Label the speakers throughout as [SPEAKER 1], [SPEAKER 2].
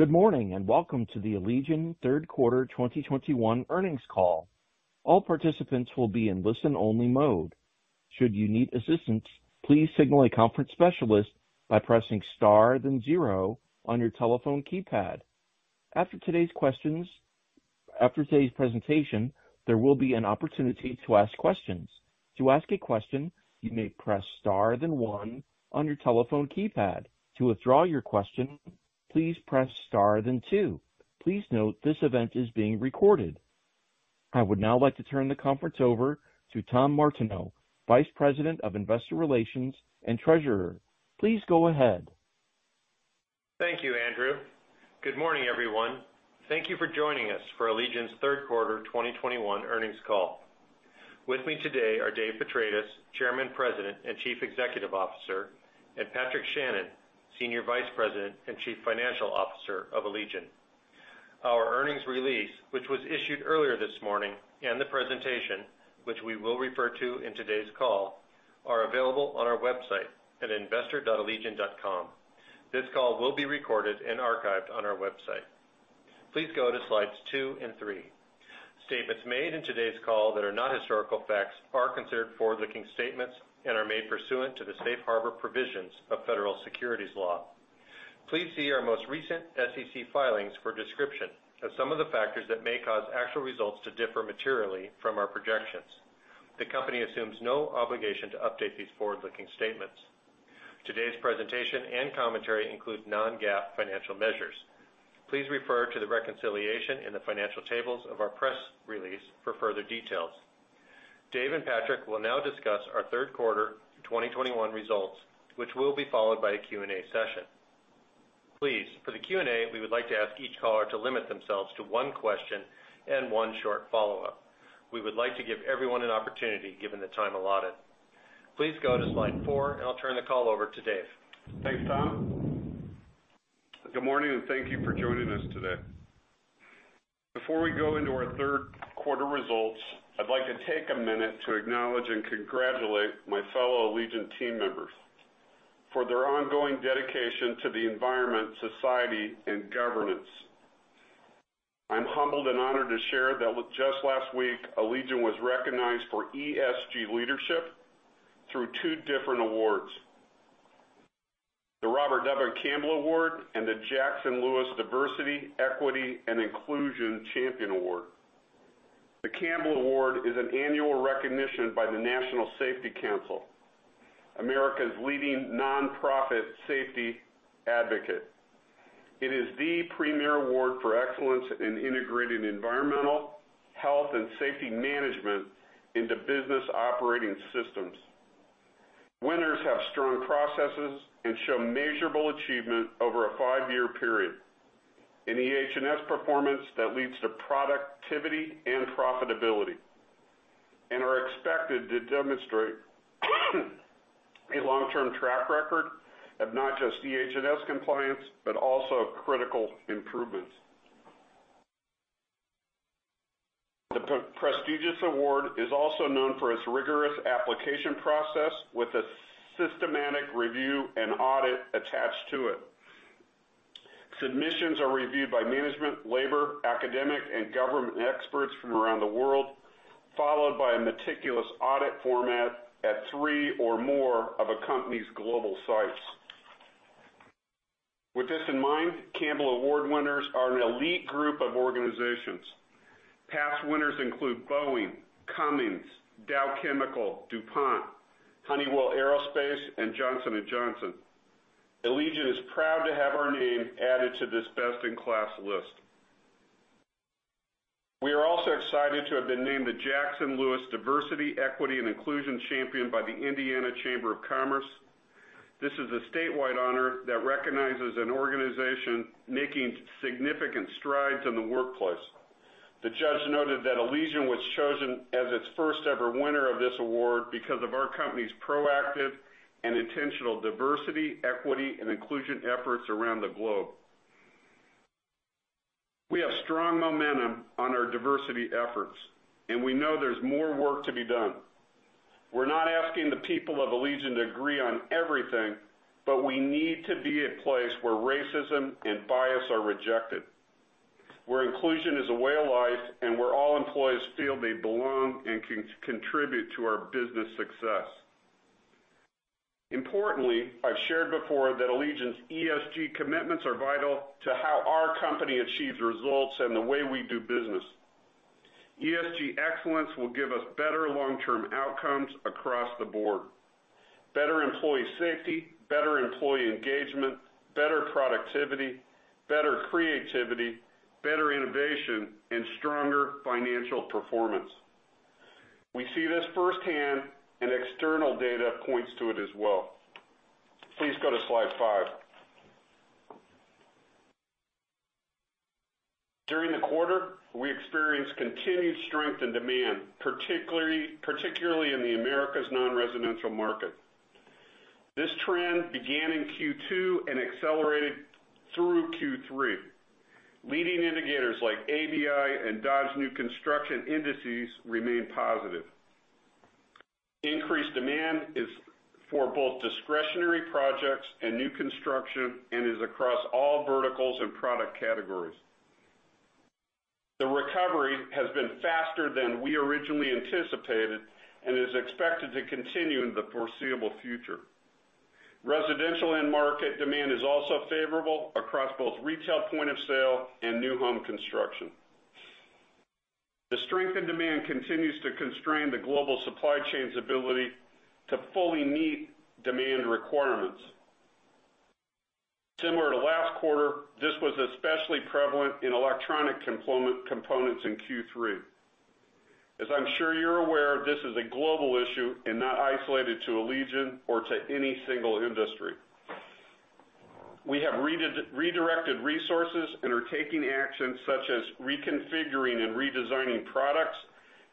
[SPEAKER 1] Good morning, and welcome to the Allegion Q3 2021 Earnings Call. All participants will be on listen-only mode. Should you need assistance please signal the conference specialist by pressing star then zero on your telephone keypad. After today's presentation there will be an opportunity to ask questions. To ask a question please press star then one on your telephone keypad. To withdraw your question press star then two. Please note this conference is being recorded. I would now like to turn the conference over to Tom Martineau, Vice President of Investor Relations and Treasurer. Please go ahead.
[SPEAKER 2] Thank you, Andrew. Good morning, everyone. Thank you for joining us for Allegion's Q3 2021 Earnings Call. With me today are David Petratis, Chairman, President, and Chief Executive Officer, and Patrick Shannon, Senior Vice President and Chief Financial Officer of Allegion. Our earnings release, which was issued earlier this morning, and the presentation, which we will refer to in today's call, are available on our website at investor.allegion.com. This call will be recorded and archived on our website. Please go to slides two and three. Statements made in today's call that are not historical facts are considered forward-looking statements and are made pursuant to the safe harbor provisions of federal securities law. Please see our most recent SEC filings for a description of some of the factors that may cause actual results to differ materially from our projections. The company assumes no obligation to update these forward-looking statements. Today's presentation and commentary include non-GAAP financial measures. Please refer to the reconciliation in the financial tables of our press release for further details. Dave and Patrick will now discuss our Q3 2021 results, which will be followed by a Q&A session. Please, for the Q&A, we would like to ask each caller to limit themselves to one question and one short follow-up. We would like to give everyone an opportunity given the time allotted. Please go to slide four, and I'll turn the call over to Dave.
[SPEAKER 3] Thanks, Tom. Good morning, and thank you for joining us today. Before we go into our Q3 results, I'd like to take a minute to acknowledge and congratulate my fellow Allegion team members for their ongoing dedication to the environment, society, and governance. I'm humbled and honored to share that just last week, Allegion was recognized for ESG leadership through two different awards, the Robert W. Campbell Award and the Jackson Lewis Diversity, Equity & Inclusion Champion Award. The Campbell Award is an annual recognition by the National Safety Council, America's leading nonprofit safety advocate. It is the premier award for excellence in integrating environmental, health, and safety management in the business operating systems. Winners have strong processes and show measurable achievement over a five-year period in EH&S performance that leads to productivity and profitability, and are expected to demonstrate a long-term track record of not just EH&S compliance, but also critical improvements. The prestigious award is also known for its rigorous application process with a systematic review and audit attached to it. Submissions are reviewed by management, labor, academic, and government experts from around the world, followed by a meticulous audit format at three or more of a company's global sites. With this in mind, Campbell Award winners are an elite group of organizations. Past winners include Boeing, Cummins, Dow Chemical, DuPont, Honeywell Aerospace, and Johnson & Johnson. Allegion is proud to have our name added to this best-in-class list. We are also excited to have been named the Jackson Lewis Diversity, Equity & Inclusion Champion by the Indiana Chamber of Commerce. This is a statewide honor that recognizes an organization making significant strides in the workplace. The judge noted that Allegion was chosen as its first-ever winner of this award because of our company's proactive and intentional diversity, equity, and inclusion efforts around the globe. We have strong momentum on our diversity efforts. We know there's more work to be done. We're not asking the people of Allegion to agree on everything. We need to be a place where racism and bias are rejected, where inclusion is a way of life, and where all employees feel they belong and can contribute to our business success. Importantly, I've shared before that Allegion's ESG commitments are vital to how our company achieves results and the way we do business. ESG excellence will give us better long-term outcomes across the board, better employee safety, better employee engagement, better productivity, better creativity, better innovation, and stronger financial performance. We see this firsthand and external data points to it as well. Please go to slide five. During the quarter, we experienced continued strength in demand, particularly in the Americas non-residential market. This trend began in Q2 and accelerated through Q3. Leading indicators like ABI and Dodge new construction indices remain positive. Increased demand is for both discretionary projects and new construction and is across all verticals and product categories. The recovery has been faster than we originally anticipated and is expected to continue in the foreseeable future. Residential end market demand is also favorable across both retail point of sale and new home construction. The strength in demand continues to constrain the global supply chain's ability to fully meet demand requirements. Similar to last quarter, this was especially prevalent in electronic components in Q3. As I'm sure you're aware, this is a global issue and not isolated to Allegion or to any single industry. We have redirected resources and are taking actions such as reconfiguring and redesigning products,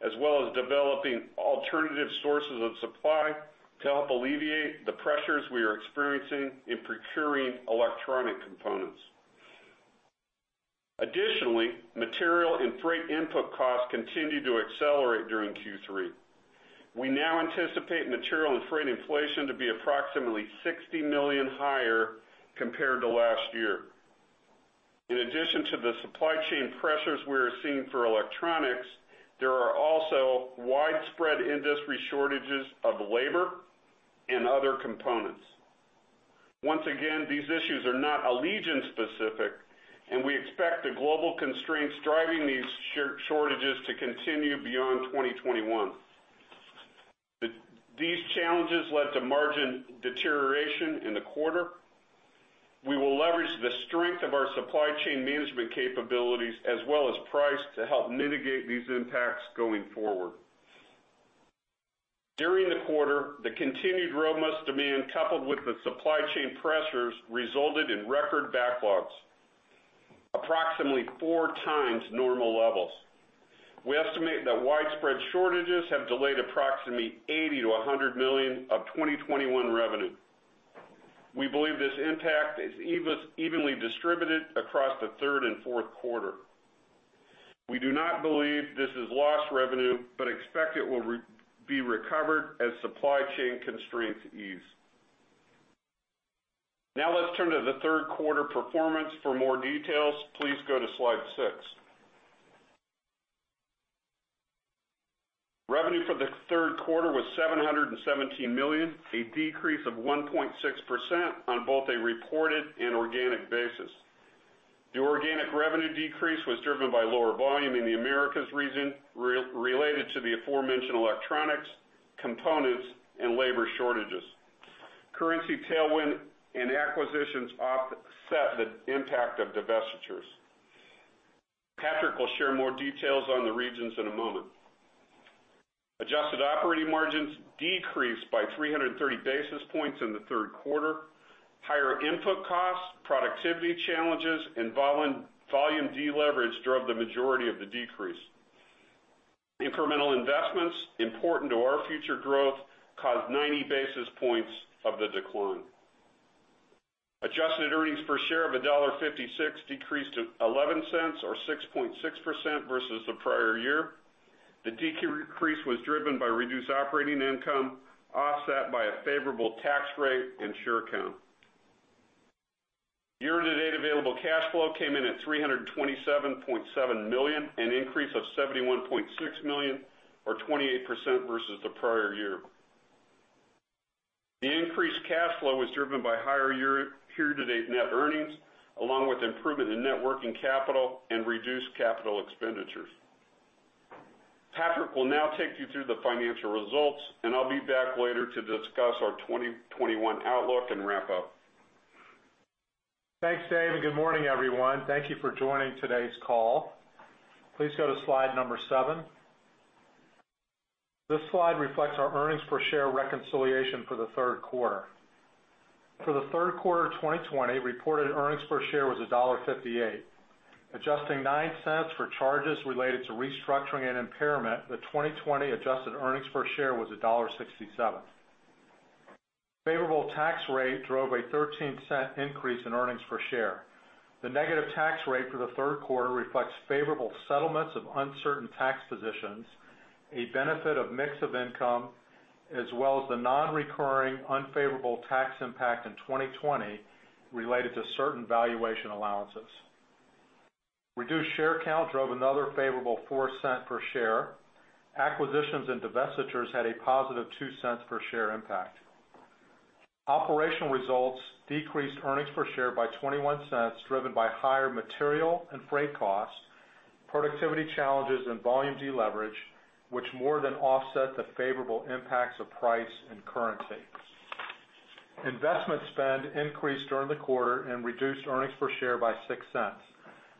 [SPEAKER 3] as well as developing alternative sources of supply to help alleviate the pressures we are experiencing in procuring electronic components. Additionally, material and freight input costs continued to accelerate during Q3. We now anticipate material and freight inflation to be approximately $60 million higher compared to last year. In addition to the supply chain pressures we are seeing for electronics, there are also widespread industry shortages of labor and other components. Once again, these issues are not Allegion specific, and we expect the global constraints driving these shortages to continue beyond 2021. These challenges led to margin deterioration in the quarter. We will leverage the strength of our supply chain management capabilities as well as price to help mitigate these impacts going forward. During the quarter, the continued robust demand coupled with the supply chain pressures resulted in record backlogs, approximately 4x normal levels. We estimate that widespread shortages have delayed approximately $80 million-$100 million of 2021 revenue. We believe this impact is evenly distributed across the third and fourth quarter. We do not believe this is lost revenue, but expect it will be recovered as supply chain constraints ease. Now let's turn to the Q3 performance. For more details, please go to slide six. Revenue for Q3 was $717 million, a decrease of 1.6% on both a reported and organic basis. The organic revenue decrease was driven by lower volume in the Americas region related to the aforementioned electronics components and labor shortages. Currency tailwind and acquisitions offset the impact of divestitures. Patrick will share more details on the regions in a moment. Adjusted operating margins decreased by 330 basis points in Q3. Higher input costs, productivity challenges, and volume deleverage drove the majority of the decrease. Incremental investments important to our future growth caused 90 basis points of the decline. Adjusted earnings per share of $1.56 decreased to $0.11 or 6.6% versus the prior year. The decrease was driven by reduced operating income, offset by a favorable tax rate and share count. Year-to-date available cash flow came in at $327.7 million, an increase of $71.6 million or 28% versus the prior year. The increased cash flow was driven by higher year-to-date net earnings, along with improvement in net working capital and reduced capital expenditures. Patrick will now take you through the financial results, and I'll be back later to discuss our 2021 outlook and wrap up.
[SPEAKER 4] Thanks, David, good morning, everyone. Thank you for joining today's call. Please go to slide number seven. This slide reflects our earnings per share reconciliation for Q3. For Q3 of 2020, reported earnings per share was $1.58. Adjusting $0.09 for charges related to restructuring and impairment, the 2020 adjusted earnings per share was $1.67. Favorable tax rate drove a $0.13 increase in earnings per share. The negative tax rate for Q3 reflects favorable settlements of uncertain tax positions, a benefit of mix of income, as well as the non-recurring unfavorable tax impact in 2020 related to certain valuation allowances. Reduced share count drove another favorable $0.04 per share. Acquisitions and divestitures had a positive $0.02 per share impact. Operational results decreased earnings per share by $0.21, driven by higher material and freight costs, productivity challenges, and volume deleverage, which more than offset the favorable impacts of price and currency. Investment spend increased during the quarter and reduced earnings per share by $0.06.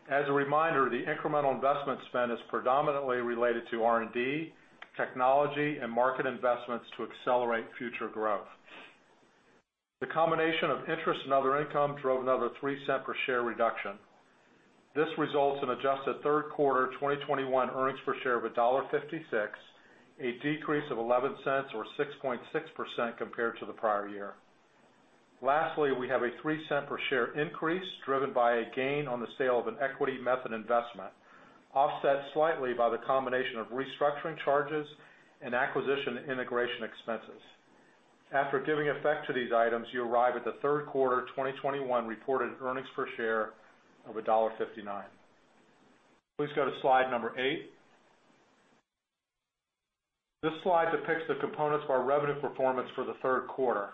[SPEAKER 4] As a reminder, the incremental investment spend is predominantly related to R&D, technology, and market investments to accelerate future growth. The combination of interest and other income drove another $0.03 per share reduction. This results in adjusted Q3 2021 earnings per share of $1.56, a decrease of $0.11 or 6.6% compared to the prior year. Lastly, we have a $0.03 per share increase driven by a gain on the sale of an equity method investment, offset slightly by the combination of restructuring charges and acquisition integration expenses. After giving effect to these items, you arrive at the Q3 2021 reported earnings per share of $1.59. Please go to slide number eight. This slide depicts the components of our revenue performance for Q3.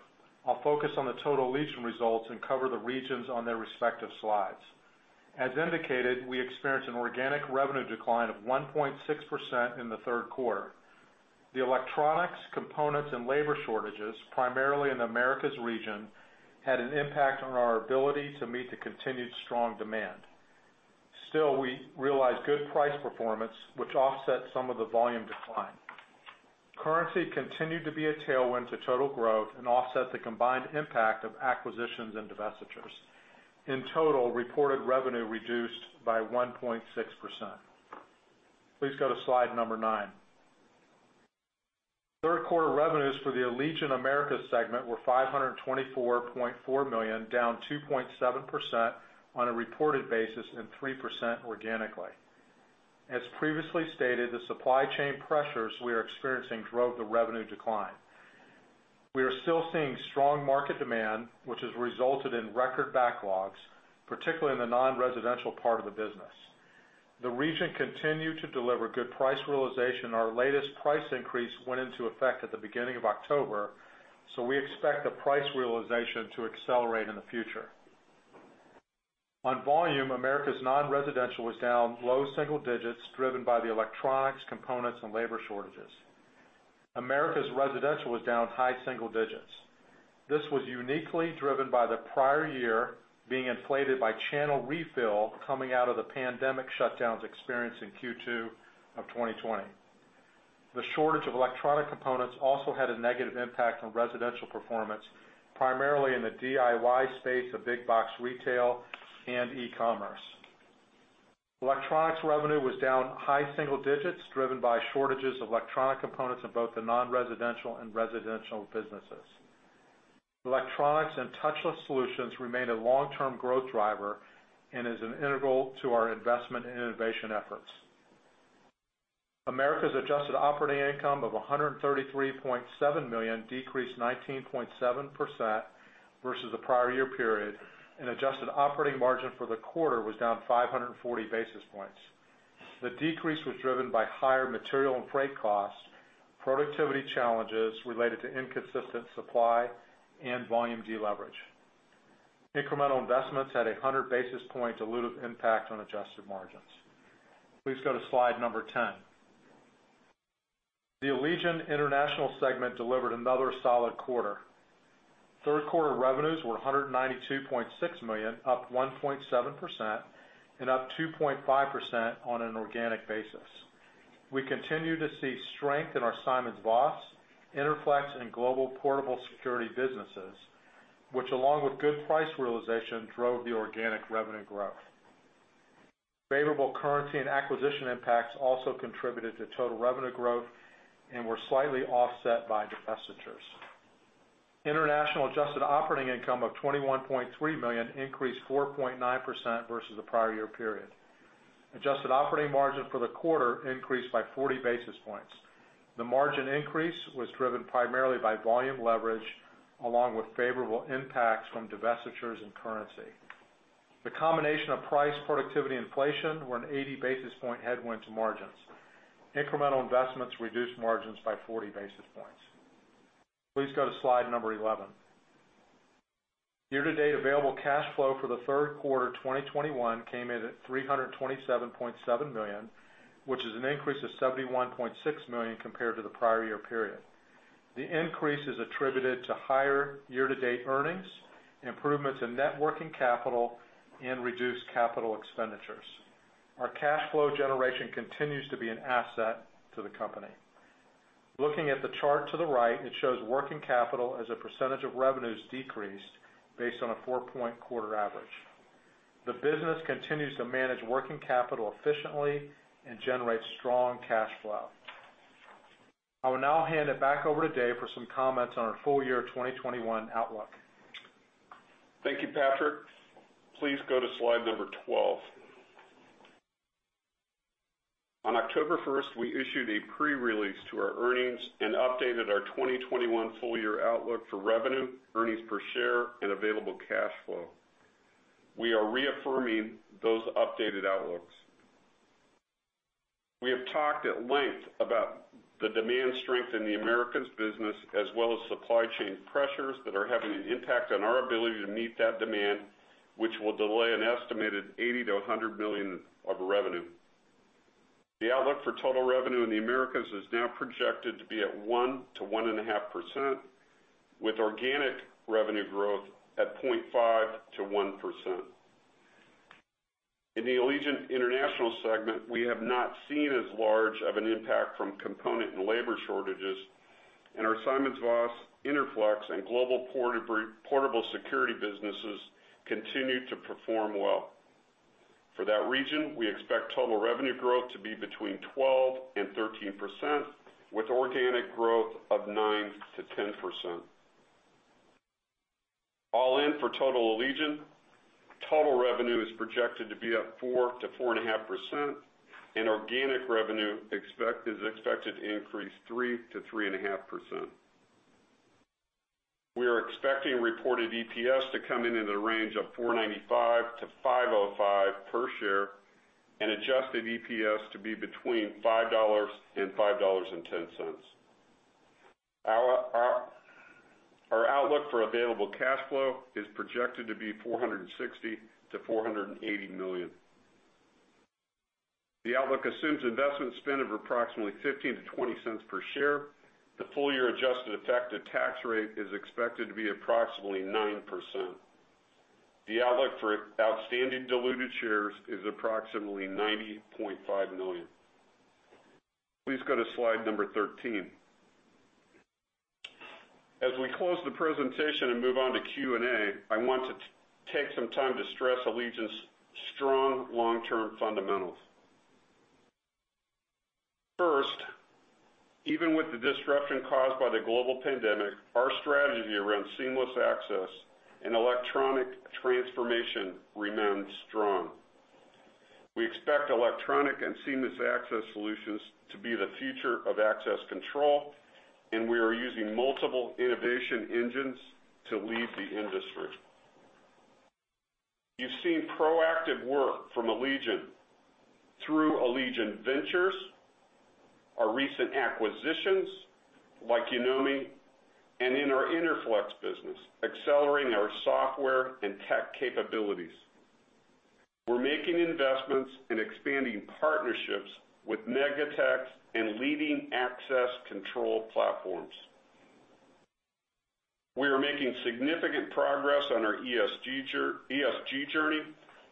[SPEAKER 4] I'll focus on the total Allegion results and cover the regions on their respective slides. As indicated, we experienced an organic revenue decline of 1.6% in Q3. The electronics components and labor shortages, primarily in the Americas region, had an impact on our ability to meet the continued strong demand. We realized good price performance, which offset some of the volume decline. Currency continued to be a tailwind to total growth and offset the combined impact of acquisitions and divestitures. In total, reported revenue reduced by 1.6%. Please go to slide number nine. Q3 revenues for the Allegion Americas segment were $524.4 million, down 2.7% on a reported basis and 3% organically. As previously stated, the supply chain pressures we are experiencing drove the revenue decline. We are still seeing strong market demand, which has resulted in record backlogs, particularly in the non-residential part of the business. The region continued to deliver good price realization. Our latest price increase went into effect at the beginning of October, we expect the price realization to accelerate in the future. On volume, Americas non-residential was down low single digits, driven by the electronics components and labor shortages. Americas residential was down high single digits. This was uniquely driven by the prior year being inflated by channel refill coming out of the pandemic shutdowns experienced in Q2 of 2020. The shortage of electronic components also had a negative impact on residential performance, primarily in the DIY space of big box retail and e-commerce. Electronics revenue was down high single digits, driven by shortages of electronic components in both the non-residential and residential businesses. Electronics and touchless solutions remain a long-term growth driver and is integral to our investment and innovation efforts. Americas adjusted operating income of $133.7 million decreased 19.7% versus the prior year period, and adjusted operating margin for the quarter was down 540 basis points. The decrease was driven by higher material and freight costs, productivity challenges related to inconsistent supply, and volume deleverage. Incremental investments had 100 basis point dilutive impact on adjusted margins. Please go to slide number 10. The Allegion International segment delivered another solid quarter. Q3 revenues were $192.6 million, up 1.7%, and up 2.5% on an organic basis. We continue to see strength in our SimonsVoss, Interflex, and global portable security businesses, which along with good price realization, drove the organic revenue growth. Favorable currency and acquisition impacts also contributed to total revenue growth and were slightly offset by divestitures. International adjusted operating income of $21.3 million increased 4.9% versus the prior year period. Adjusted operating margin for the quarter increased by 40 basis points. The margin increase was driven primarily by volume leverage along with favorable impacts from divestitures and currency. The combination of price productivity inflation were an 80 basis point headwind to margins. Incremental investments reduced margins by 40 basis points. Please go to slide number 11. Year-to-date available cash flow for Q3 2021 came in at $327.7 million, which is an increase of $71.6 million compared to the prior year period. The increase is attributed to higher year-to-date earnings, improvements in net working capital, and reduced capital expenditures. Our cash flow generation continues to be an asset to the company. Looking at the chart to the right, it shows working capital as a percentage of revenues decreased based on a four-point quarter average. The business continues to manage working capital efficiently and generates strong cash flow. I will now hand it back over to Dave for some comments on our full year 2021 outlook.
[SPEAKER 3] Thank you, Patrick. Please go to slide number 12. On October 1st, we issued a pre-release to our earnings and updated our 2021 full year outlook for revenue, EPS, and available cash flow. We are reaffirming those updated outlooks. We have talked at length about the demand strength in the Allegion Americas business as well as supply chain pressures that are having an impact on our ability to meet that demand, which will delay an estimated $80 million-$100 million of revenue. The outlook for total revenue in the Allegion Americas is now projected to be at 1%-1.5%, with organic revenue growth at 0.5%-1%. In the Allegion International segment, we have not seen as large of an impact from component and labor shortages, and our SimonsVoss, Interflex, and global portable security businesses continue to perform well. For that region, we expect total revenue growth to be between 12%-13%, with organic growth of 9%-10%. All in for total Allegion, total revenue is projected to be up 4%-4.5%, and organic revenue is expected to increase 3%-3.5%. We are expecting reported EPS to come in the range of $4.95-$5.05 per share, and adjusted EPS to be between $5-$5.10. Our outlook for available cash flow is projected to be $460 million-$480 million. The outlook assumes investment spend of approximately $0.15-$0.20 per share. The full year adjusted effective tax rate is expected to be approximately 9%. The outlook for outstanding diluted shares is approximately 90.5 million. Please go to slide number 13. As we close the presentation and move on to Q&A, I want to take some time to stress Allegion's strong long-term fundamentals. First, even with the disruption caused by the global pandemic, our strategy around seamless access and electronic transformation remains strong. We expect electronic and seamless access solutions to be the future of access control, and we are using multiple innovation engines to lead the industry. You've seen proactive work from Allegion through Allegion Ventures, our recent acquisitions like Yonomi, and in our Interflex business, accelerating our software and tech capabilities. We're making investments and expanding partnerships with mega tech and leading access control platforms. We are making significant progress on our ESG journey.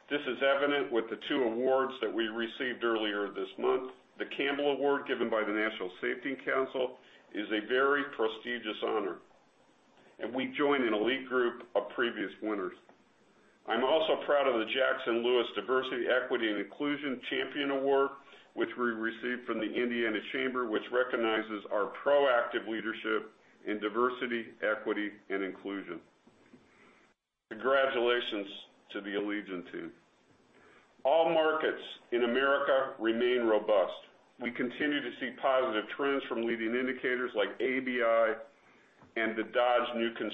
[SPEAKER 3] This is evident with the two awards that we received earlier this month. The Campbell Award given by the National Safety Council is a very prestigious honor, and we join an elite group of previous winners. I'm also proud of the Jackson Lewis Diversity, Equity & Inclusion Champion Award, which we received from the Indiana Chamber, which recognizes our proactive leadership in diversity, equity and inclusion. Congratulations to the Allegion team. All markets in America remain robust. We continue to see positive trends from leading indicators like ABI and the Dodge Momentum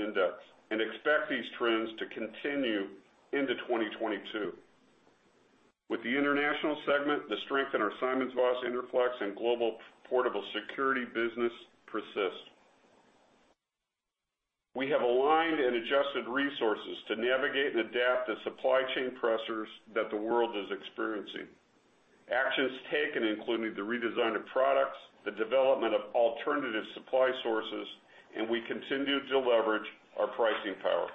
[SPEAKER 3] Index, and expect these trends to continue into 2022. With the international segment, the strength in our SimonsVoss, Interflex and global portable security business persists. We have aligned and adjusted resources to navigate and adapt to supply chain pressures that the world is experiencing. Actions taken including the redesign of products, the development of alternative supply sources, and we continue to leverage our pricing power.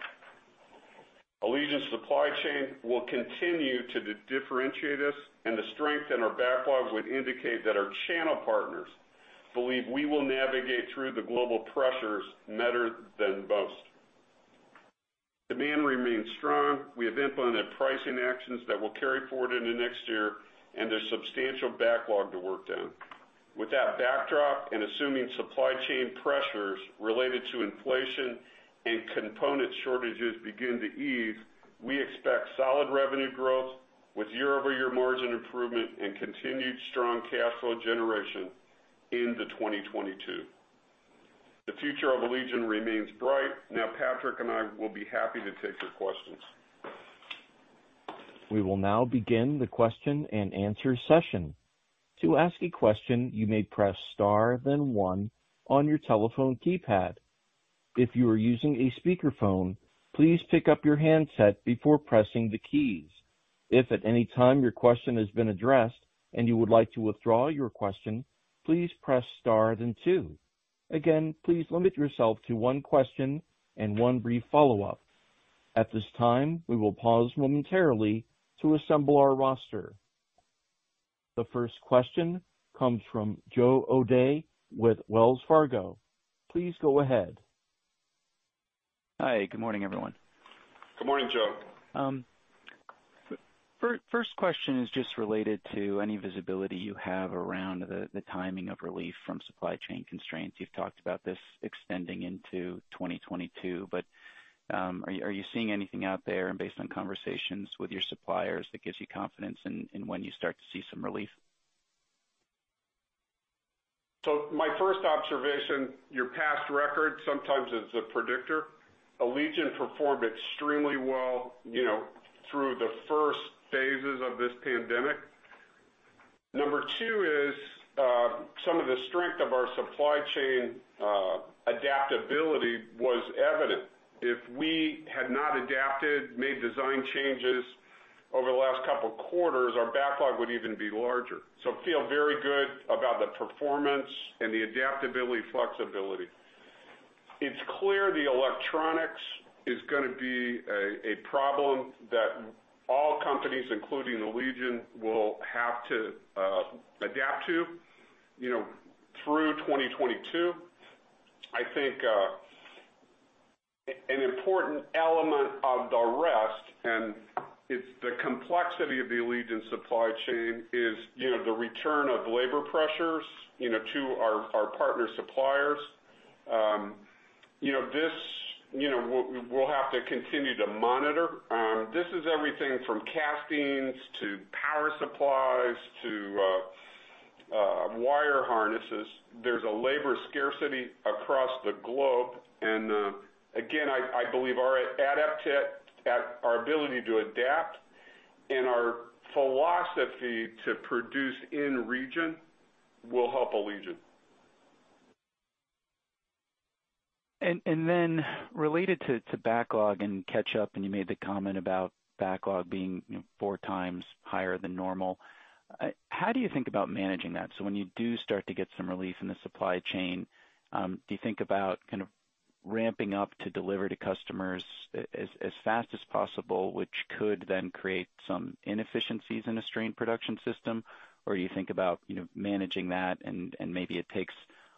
[SPEAKER 3] Allegion's supply chain will continue to differentiate us, and the strength in our backlog would indicate that our channel partners believe we will navigate through the global pressures better than most. Demand remains strong. We have implemented pricing actions that will carry forward into next year and there's substantial backlog to work down. With that backdrop, and assuming supply chain pressures related to inflation and component shortages begin to ease, we expect solid revenue growth with year-over-year margin improvement and continued strong cash flow generation into 2022. The future of Allegion remains bright. Now, Patrick and I will be happy to take your questions.
[SPEAKER 1] We will now begin the question and answer session. To ask a question you may press star then one on your telephone keypad. If you are using a speakerphone please pick up your handset before pressing your keys. If at any time your question has been addressed and you would like to withdraw your question please press star then two. Again, please limit yourself to one question and one brief follow-up. At this time, we will pause momentarily to assemble our roster. The first question comes from Joseph O'Dea with Wells Fargo. Please go ahead.
[SPEAKER 5] Hi, good morning, everyone.
[SPEAKER 3] Good morning, Joe.
[SPEAKER 5] First question is just related to any visibility you have around the timing of relief from supply chain constraints. You've talked about this extending into 2022, are you seeing anything out there based on conversations with your suppliers that gives you confidence in when you start to see some relief?
[SPEAKER 3] My first observation, your past record sometimes is a predictor. Allegion performed extremely well through the first phases of this pandemic. Number two is some of the strength of our supply chain adaptability was evident. If we had not adapted, made design changes over the last couple of quarters, our backlog would even be larger. Feel very good about the performance and the adaptability flexibility. It's clear the electronics is going to be a problem that all companies, including Allegion, will have to adapt to through 2022. An important element of the rest, and it's the complexity of the Allegion supply chain, is the return of labor pressures to our partner suppliers. We'll have to continue to monitor. This is everything from castings to power supplies to wire harnesses. There's a labor scarcity across the globe, and again, I believe our ability to adapt and our philosophy to produce in region will help Allegion.
[SPEAKER 5] Then related to backlog and catch up, and you made the comment about backlog being 4x higher than normal, how do you think about managing that? When you do start to get some relief in the supply chain, do you think about kind of ramping up to deliver to customers as fast as possible, which could then create some inefficiencies in a strained production system? You think about managing that and maybe it takes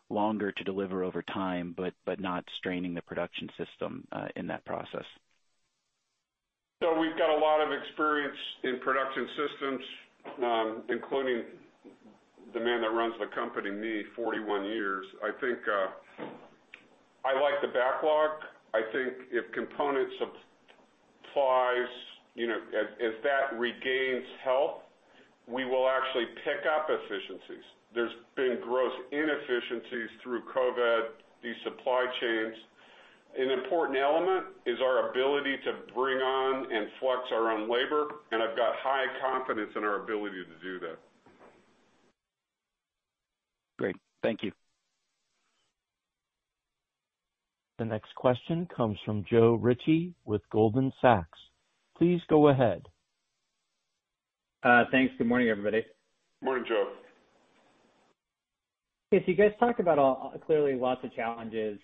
[SPEAKER 5] longer to deliver over time, but not straining the production system in that process?
[SPEAKER 3] We've got a lot of experience in production systems, including the man that runs the company, me, 41 years. I like the backlog. I think if component supplies, if that regains health, we will actually pick up efficiencies. There's been gross inefficiencies through COVID, these supply chains. An important element is our ability to bring on and flex our own labor, and I've got high confidence in our ability to do that.
[SPEAKER 5] Great. Thank you.
[SPEAKER 1] The next question comes from Joe Ritchie with Goldman Sachs. Please go ahead.
[SPEAKER 6] Thanks. Good morning, everybody.
[SPEAKER 3] Morning, Joe.
[SPEAKER 6] Yes, you guys talk about clearly lots of challenges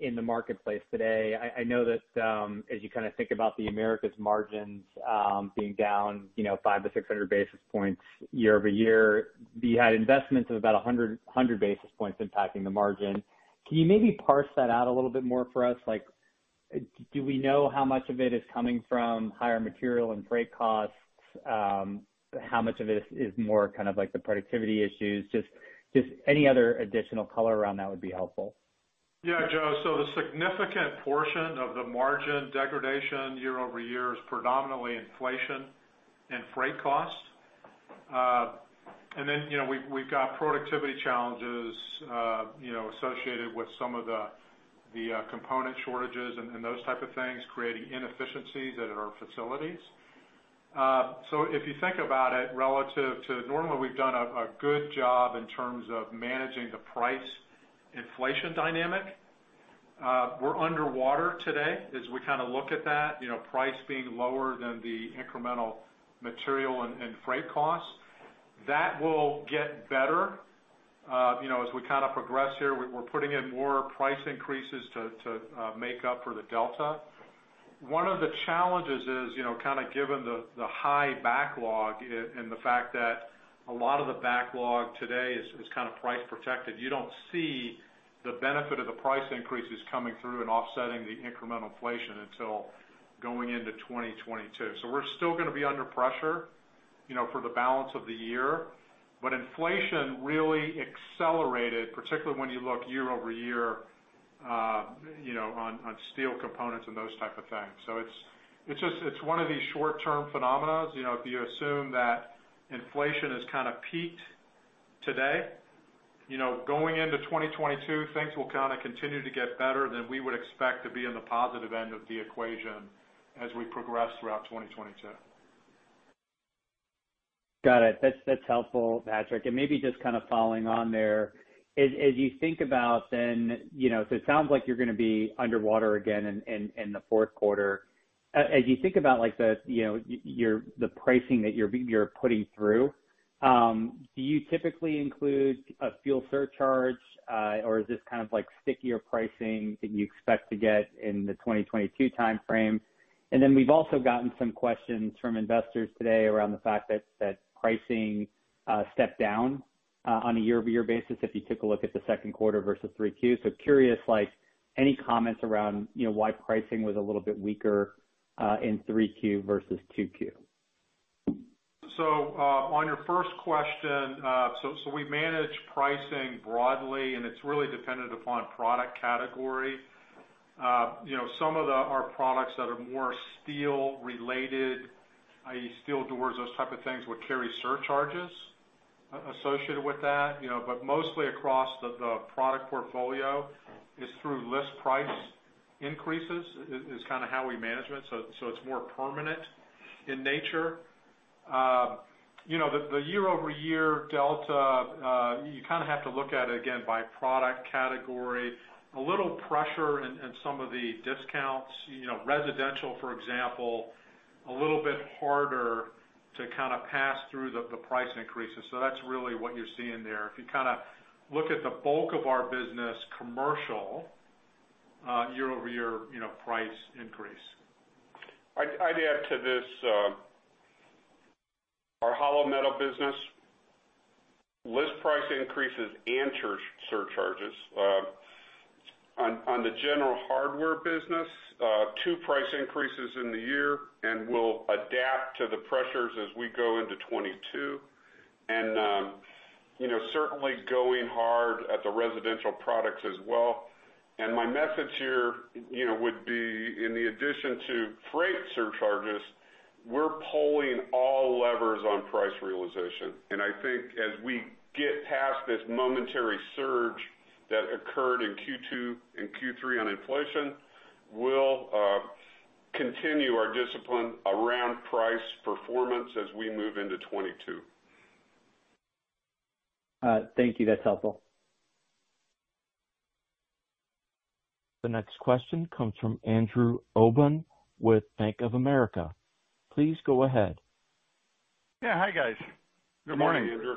[SPEAKER 6] in the marketplace today. I know that as you kind of think about the Americas margins being down 500 to 600 basis points year-over-year, you had investments of about 100 basis points impacting the margin. Can you maybe parse that out a little bit more for us? Do we know how much of it is coming from higher material and freight costs? How much of it is more kind of like the productivity issues? Just any other additional color around that would be helpful.
[SPEAKER 4] Joe, the significant portion of the margin degradation year-over-year is predominantly inflation and freight costs. We've got productivity challenges associated with some of the component shortages and those type of things, creating inefficiencies at our facilities. If you think about it relative to normally, we've done a good job in terms of managing the price inflation dynamic. We're underwater today as we kind of look at that, price being lower than the incremental material and freight costs. That will get better as we kind of progress here. We're putting in more price increases to make up for the delta. One of the challenges is, kind of given the high backlog and the fact that a lot of the backlog today is kind of price protected, you don't see the benefit of the price increases coming through and offsetting the incremental inflation until going into 2022. We're still going to be under pressure for the balance of the year. Inflation really accelerated, particularly when you look year-over-year on steel components and those type of things. It's one of these short-term phenomena. If you assume that inflation has kind of peaked today, going into 2022, things will kind of continue to get better, we would expect to be in the positive end of the equation as we progress throughout 2022.
[SPEAKER 6] Got it. That's helpful, Patrick. Maybe just kind of following on there, so it sounds like you're going to be underwater again in Q4. As you think about the pricing that you're putting through, do you typically include a fuel surcharge? Or is this kind of like stickier pricing that you expect to get in the 2022 timeframe? Then we've also gotten some questions from investors today around the fact that pricing stepped down on a year-over-year basis if you took a look at the second quarter versus Q3. Curious, any comments around why pricing was a little bit weaker in Q3 versus Q2?
[SPEAKER 4] On your first question, we manage pricing broadly, and it's really dependent upon product category. Some of our products that are more steel related, i.e. steel doors, those type of things, would carry surcharges associated with that. Mostly across the product portfolio is through list price increases, is kind of how we manage it. It's more permanent in nature. The year-over-year delta, you kind of have to look at it again by product category. A little pressure in some of the discounts, residential, for example, a little bit harder to kind of pass through the price increases. That's really what you're seeing there. If you kind of look at the bulk of our business commercial year-over-year price increase.
[SPEAKER 3] I'd add to this. Our hollow metal business list price increases and surcharges. On the general hardware business, two price increases in the year, and we'll adapt to the pressures as we go into 2022, and certainly going hard at the residential products as well. My message here would be in addition to freight surcharges, we're pulling all levers on price realization. I think as we get past this momentary surge that occurred in Q2 and Q3 on inflation, we'll continue our discipline around price performance as we move into 2022.
[SPEAKER 6] Thank you. That's helpful.
[SPEAKER 1] The next question comes from Andrew Obin with Bank of America. Please go ahead.
[SPEAKER 7] Yeah. Hi, guys. Good morning.
[SPEAKER 3] Good morning, Andrew.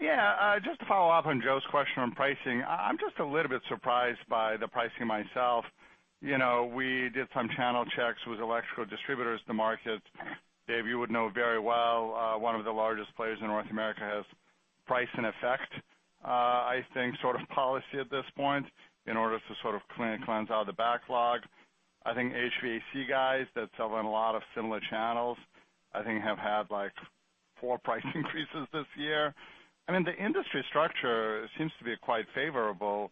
[SPEAKER 7] Yeah. Just to follow up on Joe's question on pricing. I'm just a little bit surprised by the pricing myself. We did some channel checks with electrical distributors to market. Dave, you would know very well, one of the largest players in North America has price in effect, I think sort of policy at this point in order to sort of cleanse out the backlog. I think HVAC guys that sell in a lot of similar channels, I think have had like four price increases this year. The industry structure seems to be quite favorable.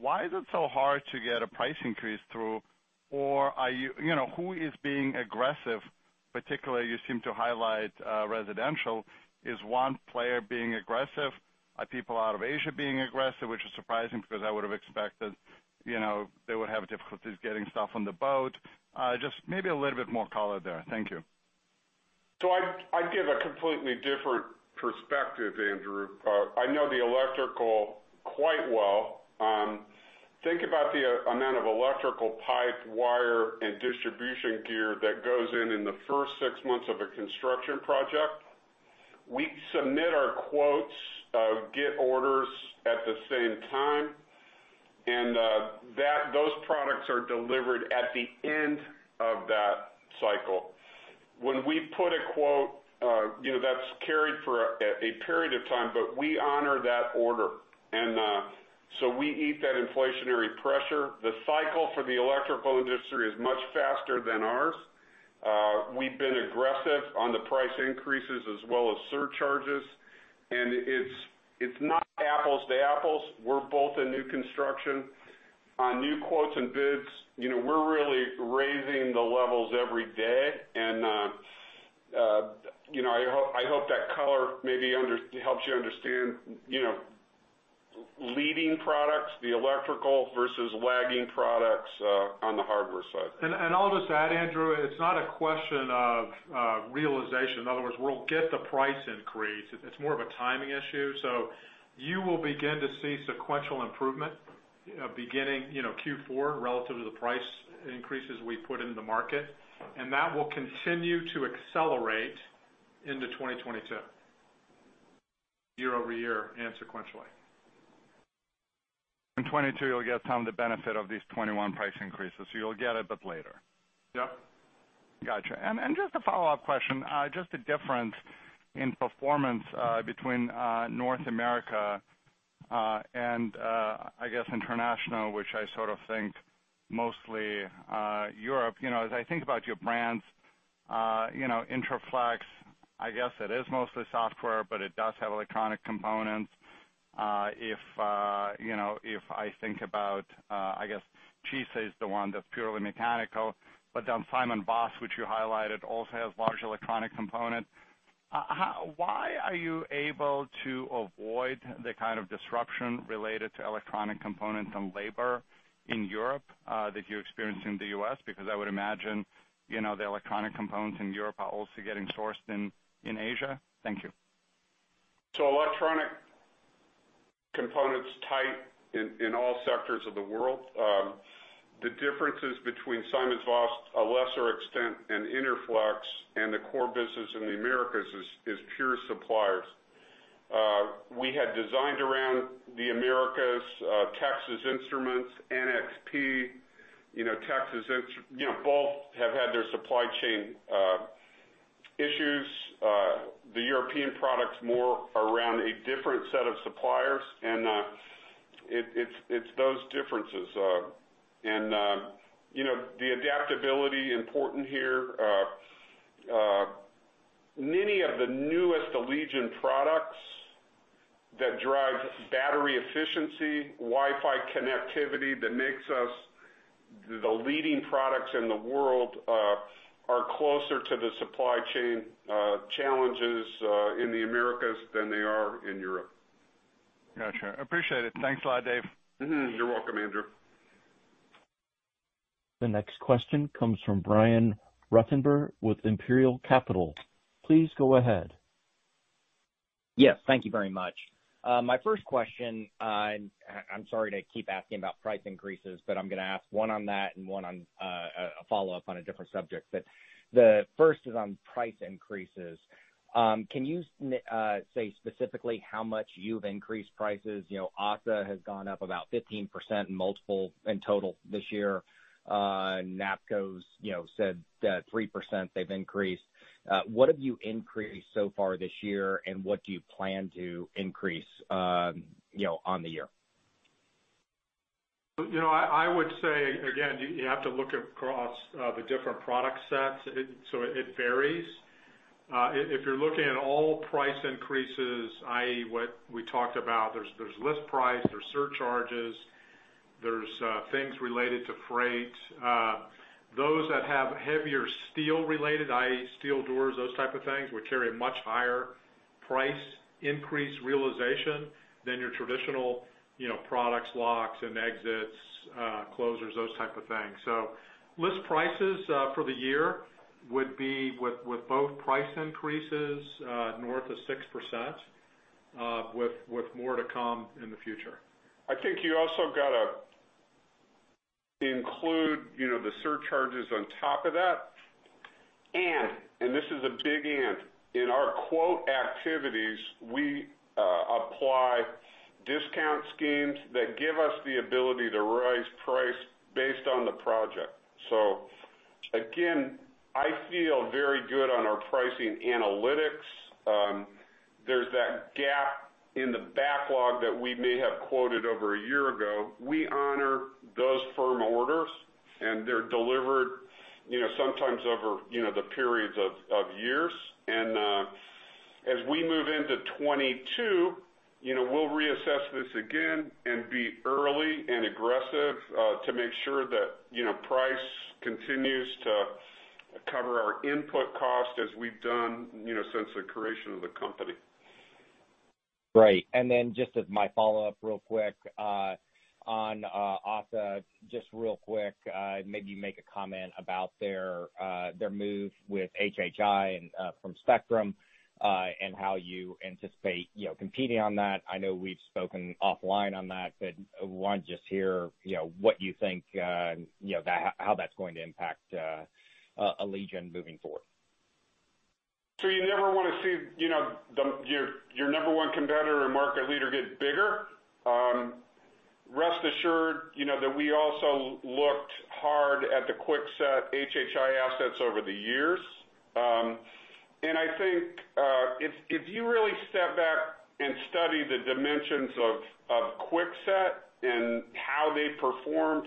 [SPEAKER 7] Why is it so hard to get a price increase through, or who is being aggressive? Particularly, you seem to highlight residential. Is one player being aggressive? Are people out of Asia being aggressive? Which is surprising because I would've expected they would have difficulties getting stuff on the boat. Just maybe a little bit more color there. Thank you.
[SPEAKER 3] I'd give a completely different perspective, Andrew. I know the electrical quite well. Think about the amount of electrical pipe, wire, and distribution gear that goes in in the first six months of a construction project. We submit our quotes, get orders at the same time, those products are delivered at the end of that cycle. When we put a quote, that's carried for a period of time, but we honor that order. We eat that inflationary pressure. The cycle for the electrical industry is much faster than ours. We've been aggressive on the price increases as well as surcharges, it's not apples to apples. We're both in new construction. On new quotes and bids, we're really raising the levels every day, I hope that color maybe helps you understand leading products, the electrical, versus lagging products on the hardware side.
[SPEAKER 4] I'll just add, Andrew, it's not a question of realization. In other words, we'll get the price increase. It's more of a timing issue. You will begin to see sequential improvement beginning Q4 relative to the price increases we put in the market, and that will continue to accelerate into 2022 year-over-year and sequentially.
[SPEAKER 7] In 2022, you'll get some of the benefit of these 2021 price increases. You'll get it, but later.
[SPEAKER 4] Yep.
[SPEAKER 7] Got you. Just a follow-up question. The difference in performance between North America, and I guess international, which I sort of think mostly Europe. As I think about your brands, Interflex, I guess it is mostly software, but it does have electronic components. If I think about, I guess, CISA is the one that's purely mechanical, but then SimonsVoss, which you highlighted, also has large electronic component. Why are you able to avoid the kind of disruption related to electronic components and labor in Europe that you experience in the U.S. because I would imagine, the electronic components in Europe are also getting sourced in Asia. Thank you.
[SPEAKER 3] Electronic component's tight in all sectors of the world. The differences between SimonsVoss, a lesser extent, and Interflex and the core business in the Americas is pure suppliers. We had designed around the Americas, Texas Instruments, NXP. Both have had their supply chain issues. The European products more around a different set of suppliers, and it's those differences. The adaptability important here. Many of the newest Allegion products that drive battery efficiency, Wi-Fi connectivity that makes us the leading products in the world, are closer to the supply chain challenges in the Americas than they are in Europe.
[SPEAKER 7] Got you. I appreciate it. Thanks a lot, Dave.
[SPEAKER 3] You're welcome, Andrew.
[SPEAKER 1] The next question comes from Brian Ruttenbur with Imperial Capital. Please go ahead.
[SPEAKER 8] Yes. Thank you very much. My first question, I'm sorry to keep asking about price increases, I'm going to ask one on that and one on a follow-up on a different subject. The first is on price increases. Can you say specifically how much you've increased prices? ASSA has gone up about 15% in total this year. NAPCO's said that 3% they've increased. What have you increased so far this year, and what do you plan to increase on the year?
[SPEAKER 4] I would say, again, you have to look across the different product sets. It varies. If you're looking at all price increases, i.e., what we talked about, there's list price, there's surcharges, there's things related to freight. Those that have heavier steel related, i.e., steel doors, those type of things, would carry a much higher price increase realization than your traditional products, locks and exits, closers, those type of things. List prices for the year would be with both price increases, north of 6%, with more to come in the future.
[SPEAKER 3] I think you also got to include the surcharges on top of that. This is a big and, in our quote activities, we apply discount schemes that give us the ability to raise price based on the project. Again, I feel very good on our pricing analytics. There's that gap in the backlog that we may have quoted over a year ago. We honor those firm orders, and they're delivered sometimes over the periods of years. As we move into 2022, we'll reassess this again and be early and aggressive to make sure that price continues to cover our input cost as we've done since the creation of the company.
[SPEAKER 8] Right. Just as my follow-up real quick, on ASSA, just real quick, maybe make a comment about their move with HHI from Spectrum, and how you anticipate competing on that. I know we've spoken offline on that, but I want to just hear what you think, how that's going to impact Allegion moving forward.
[SPEAKER 3] You never want to see your number one competitor and market leader get bigger. Rest assured that we also looked hard at the Kwikset HHI assets over the years. I think, if you really step back and study the dimensions of Kwikset and how they performed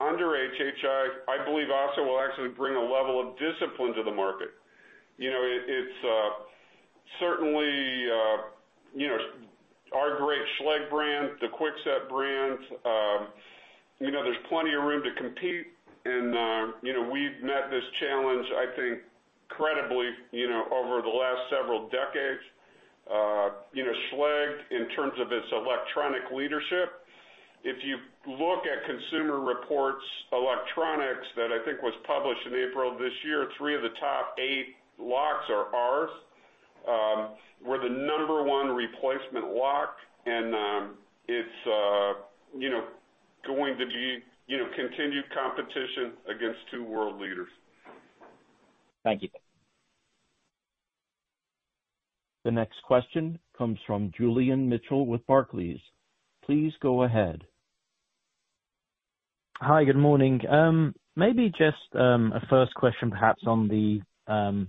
[SPEAKER 3] under HHI, I believe ASSA will actually bring a level of discipline to the market. It's certainly our great Schlage brand, the Kwikset brands. There's plenty of room to compete, and we've met this challenge, I think, credibly over the last several decades. Schlage, in terms of its electronic leadership, if you look at Consumer Reports, electronics, that I think was published in April of this year, three of the top eight locks are ours. We're the number one replacement lock, and it's going to be continued competition against two world leaders.
[SPEAKER 8] Thank you.
[SPEAKER 1] The next question comes from Julian Mitchell with Barclays. Please go ahead.
[SPEAKER 9] Hi, good morning. Maybe just a first question, perhaps on the demand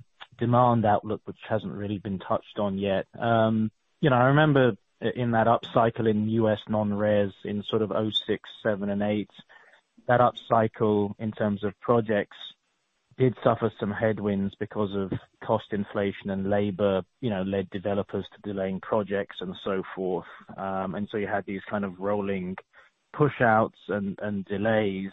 [SPEAKER 9] outlook, which hasn't really been touched on yet. I remember in that upcycle in U.S. non-res in sort of 2006, 2007, and 2008, that upcycle, in terms of projects, did suffer some headwinds because of cost inflation and labor, led developers to delaying projects and so forth. You had these kind of rolling push outs and delays.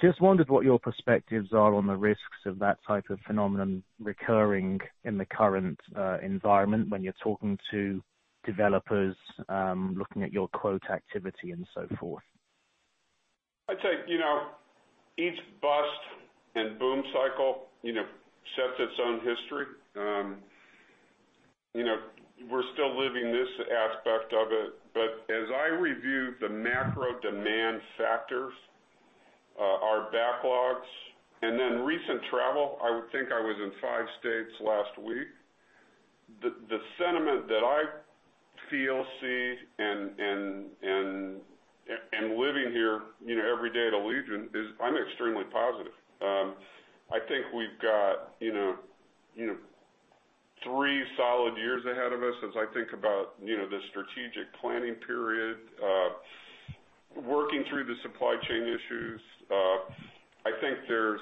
[SPEAKER 9] Just wondered what your perspectives are on the risks of that type of phenomenon recurring in the current environment when you're talking to developers, looking at your quote activity and so forth.
[SPEAKER 3] I'd say, each bust and boom cycle sets its own history. We're still living this aspect of it, but as I review the macro demand factors, our backlogs, and then recent travel, I think I was in five states last week. The sentiment that I feel, see, and living here every day at Allegion is I'm extremely positive. I think we've got three solid years ahead of us as I think about the strategic planning period, working through the supply chain issues. I think there's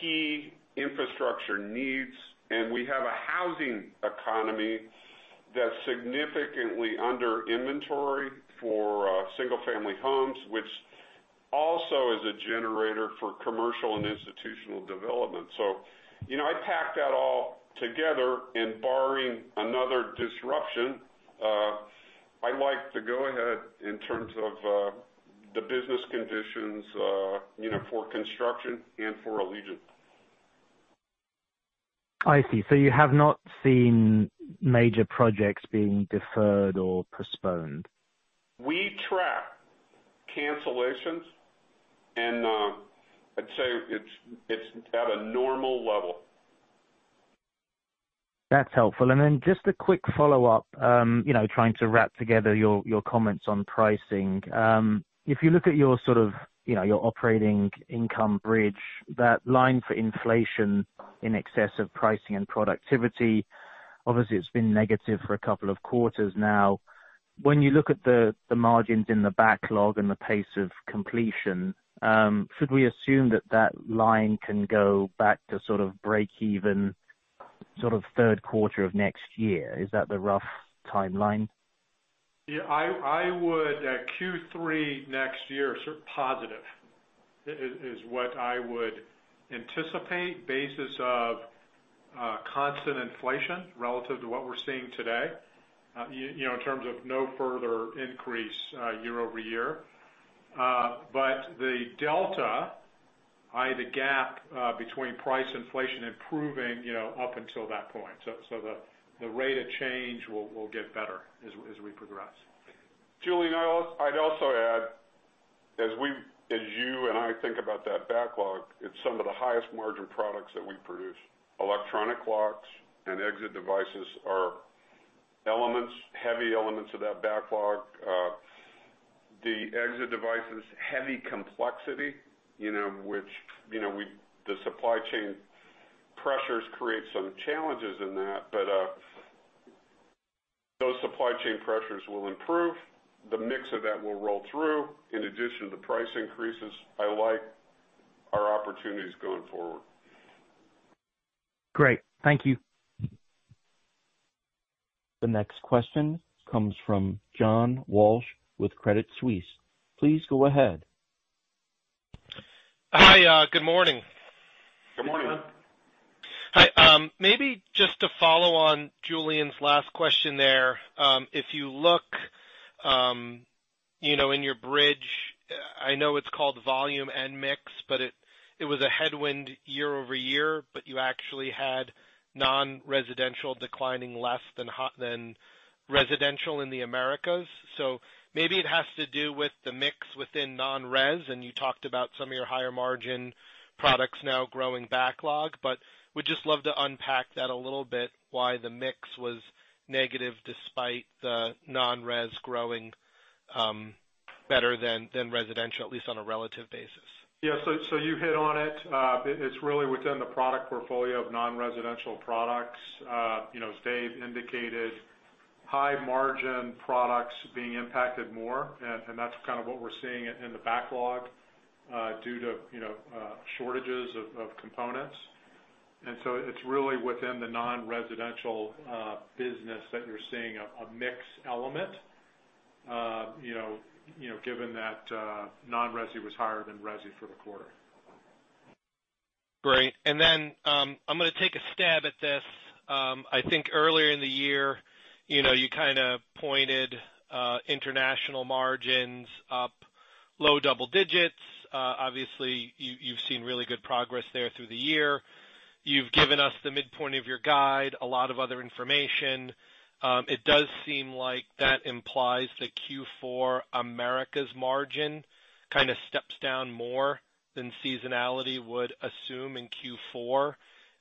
[SPEAKER 3] key infrastructure needs, and we have a housing economy that's significantly under inventory for single family homes, which also is a generator for commercial and institutional development. I packed that all together, and barring another disruption, I like to go ahead in terms of the business conditions for construction and for Allegion.
[SPEAKER 9] I see. You have not seen major projects being deferred or postponed?
[SPEAKER 3] We track cancellations, and I'd say it's at a normal level.
[SPEAKER 9] That's helpful. Then just a quick follow-up, trying to wrap together your comments on pricing. If you look at your operating income bridge, that line for inflation in excess of pricing and productivity. Obviously, it's been negative for a couple of quarters now. When you look at the margins in the backlog and the pace of completion, should we assume that that line can go back to sort of break even sort of Q3 of next year? Is that the rough timeline?
[SPEAKER 4] Yeah. I would, Q3 next year, positive, is what I would anticipate, basis of constant inflation relative to what we're seeing today, in terms of no further increase year-over-year. The delta, i.e., the gap, between price inflation improving up until that point, the rate of change will get better as we progress.
[SPEAKER 3] Julian, I'd also add, as you and I think about that backlog, it's some of the highest margin products that we produce. Electronic locks and exit devices are heavy elements of that backlog. The exit devices, heavy complexity, which the supply chain pressures create some challenges in that. Those supply chain pressures will improve. The mix of that will roll through, in addition to the price increases. I like our opportunities going forward.
[SPEAKER 9] Great. Thank you.
[SPEAKER 1] The next question comes from John Walsh with Credit Suisse. Please go ahead.
[SPEAKER 10] Hi. Good morning.
[SPEAKER 4] Good morning.
[SPEAKER 3] Good morning.
[SPEAKER 10] Hi. Maybe just to follow on Julian's last question there. If you look in your bridge, I know it's called volume and mix, but it was a headwind year-over-year, but you actually had non-residential declining less than residential in the Americas. Maybe it has to do with the mix within non-residential, and you talked about some of your higher margin products now growing backlog. Would just love to unpack that a little bit, why the mix was negative despite the non-residential growing better than residential, at least on a relative basis.
[SPEAKER 4] Yeah. You hit on it. It's really within the product portfolio of non-residential products. As Dave indicated, high margin products being impacted more, and that's kind of what we're seeing in the backlog, due to shortages of components. It's really within the non-residential business that you're seeing a mix element, given that non-residential was higher than residential for the quarter.
[SPEAKER 10] Great. I'm going to take a stab at this. I think earlier in the year, you kind of pointed international margins up low double digits. You've seen really good progress there through the year. You've given us the midpoint of your guide, a lot of other information. It does seem like that implies that Q4 Americas margin kind of steps down more than seasonality would assume in Q4,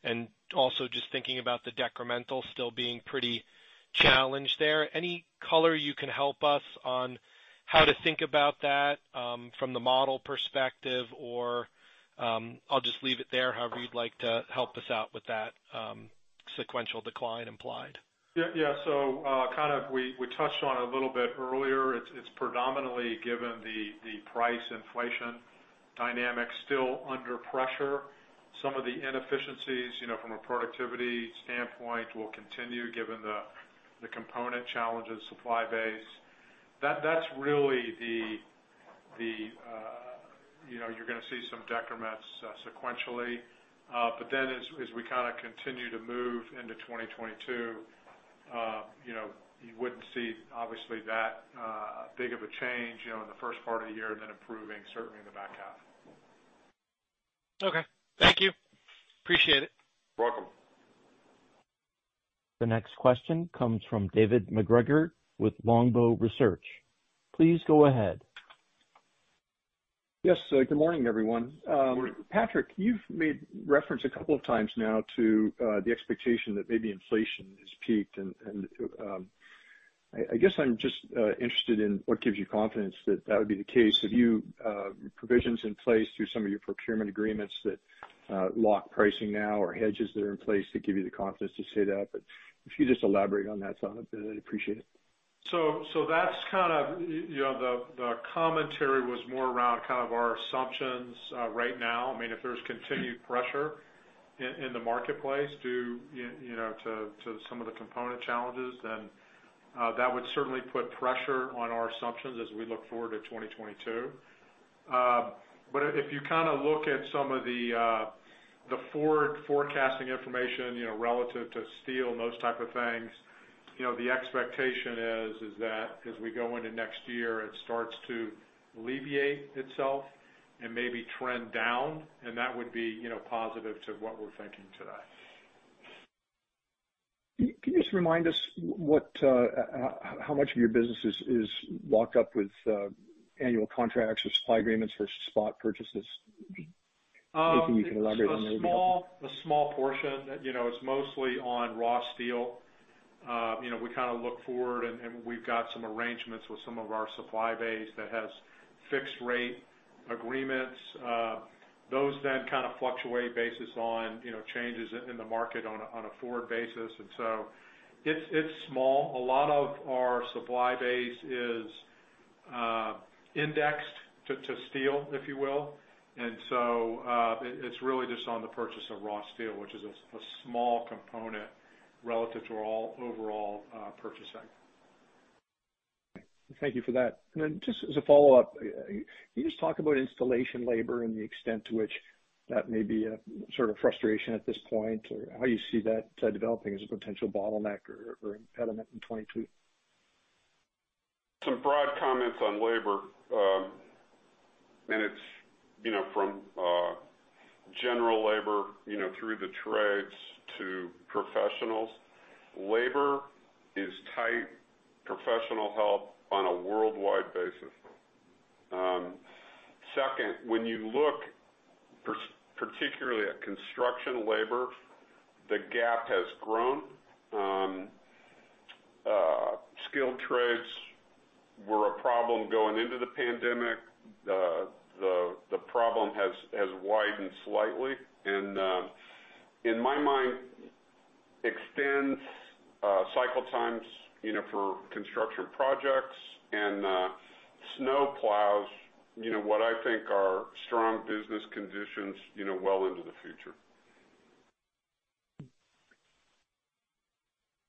[SPEAKER 10] and also just thinking about the decremental still being pretty challenged there. Any color you can help us on how to think about that from the model perspective or I'll just leave it there, however you'd like to help us out with that sequential decline implied?
[SPEAKER 4] Yeah. Kind of we touched on it a little bit earlier. It's predominantly given the price inflation dynamics still under pressure. Some of the inefficiencies from a productivity standpoint will continue given the component challenges, supply base. You're going to see some decrements sequentially. As we kind of continue to move into 2022, you wouldn't see, obviously, that big of a change in the first part of the year and then improving certainly in H2.
[SPEAKER 10] Okay. Thank you. Appreciate it.
[SPEAKER 4] Welcome.
[SPEAKER 1] The next question comes from David MacGregor with Longbow Research. Please go ahead.
[SPEAKER 11] Yes. Good morning, everyone.
[SPEAKER 4] Good morning.
[SPEAKER 3] Good morning.
[SPEAKER 11] Patrick, you've made reference a couple of times now to the expectation that maybe inflation has peaked and, I guess I'm just interested in what gives you confidence that that would be the case. Have you provisions in place through some of your procurement agreements that lock pricing now or hedges that are in place that give you the confidence to say that? If you could just elaborate on that side a bit, I'd appreciate it.
[SPEAKER 4] That's kind of The commentary was more around kind of our assumptions right now. I mean, if there's continued pressure in the marketplace due to some of the component challenges, then that would certainly put pressure on our assumptions as we look forward to 2022. If you kind of look at some of the forward forecasting information, relative to steel and those type of things, the expectation is that as we go into next year, it starts to alleviate itself and maybe trend down, and that would be positive to what we're thinking today.
[SPEAKER 11] Can you just remind us how much of your business is locked up with annual contracts or supply agreements versus spot purchases? Anything you can elaborate on there would be helpful.
[SPEAKER 4] A small portion. It's mostly on raw steel.
[SPEAKER 3] We look forward, and we've got some arrangements with some of our supply base that has fixed rate agreements. Those fluctuate based on changes in the market on a forward basis. It's small. A lot of our supply base is indexed to steel, if you will. It's really just on the purchase of raw steel, which is a small component relative to our overall purchasing.
[SPEAKER 11] Thank you for that. Just as a follow-up, can you just talk about installation labor and the extent to which that may be a sort of frustration at this point, or how you see that developing as a potential bottleneck or impediment in 2022?
[SPEAKER 3] Some broad comments on labor, and it's from general labor through the trades to professionals. Labor is tight, professional help on a worldwide basis. Second, when you look particularly at construction labor, the gap has grown. Skilled trades were a problem going into the pandemic. The problem has widened slightly. In my mind, extends cycle times for construction projects and what I think are strong business conditions well into the future.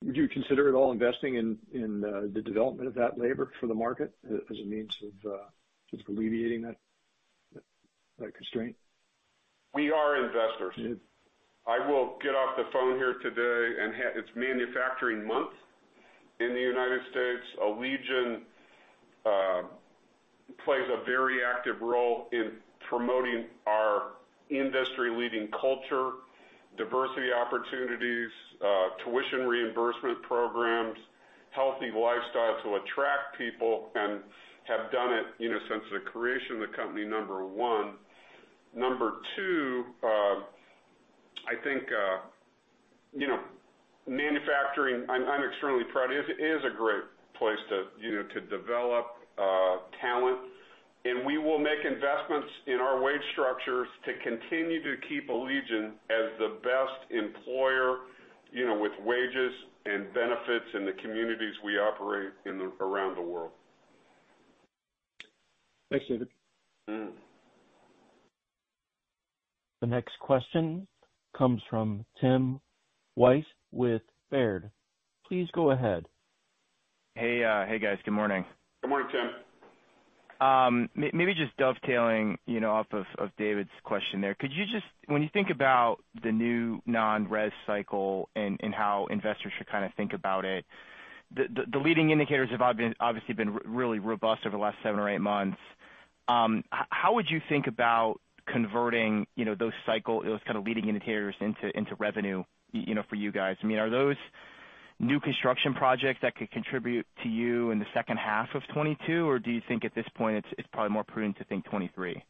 [SPEAKER 11] Would you consider at all investing in the development of that labor for the market as a means of just alleviating that constraint?
[SPEAKER 3] We are investors. I will get off the phone here today. It's manufacturing month in the United States. Allegion plays a very active role in promoting our industry-leading culture, diversity opportunities, tuition reimbursement programs, healthy lifestyle to attract people, and have done it since the creation of the company, number one. Number two, I think manufacturing, I'm extremely proud, it is a great place to develop talent. We will make investments in our wage structures to continue to keep Allegion as the best employer with wages and benefits in the communities we operate around the world.
[SPEAKER 11] Thanks, David.
[SPEAKER 1] The next question comes from Tim Wojs with Baird. Please go ahead.
[SPEAKER 12] Hey, guys. Good morning.
[SPEAKER 3] Good morning, Tim.
[SPEAKER 12] Maybe just dovetailing off of David's question there. When you think about the new non-residential cycle and how investors should think about it, the leading indicators have obviously been really robust over the last seven or eight months. How would you think about converting those leading indicators into revenue for you guys? Are those new construction projects that could contribute to you in the H2 of 2022, or do you think at this point it's probably more prudent to think 2023?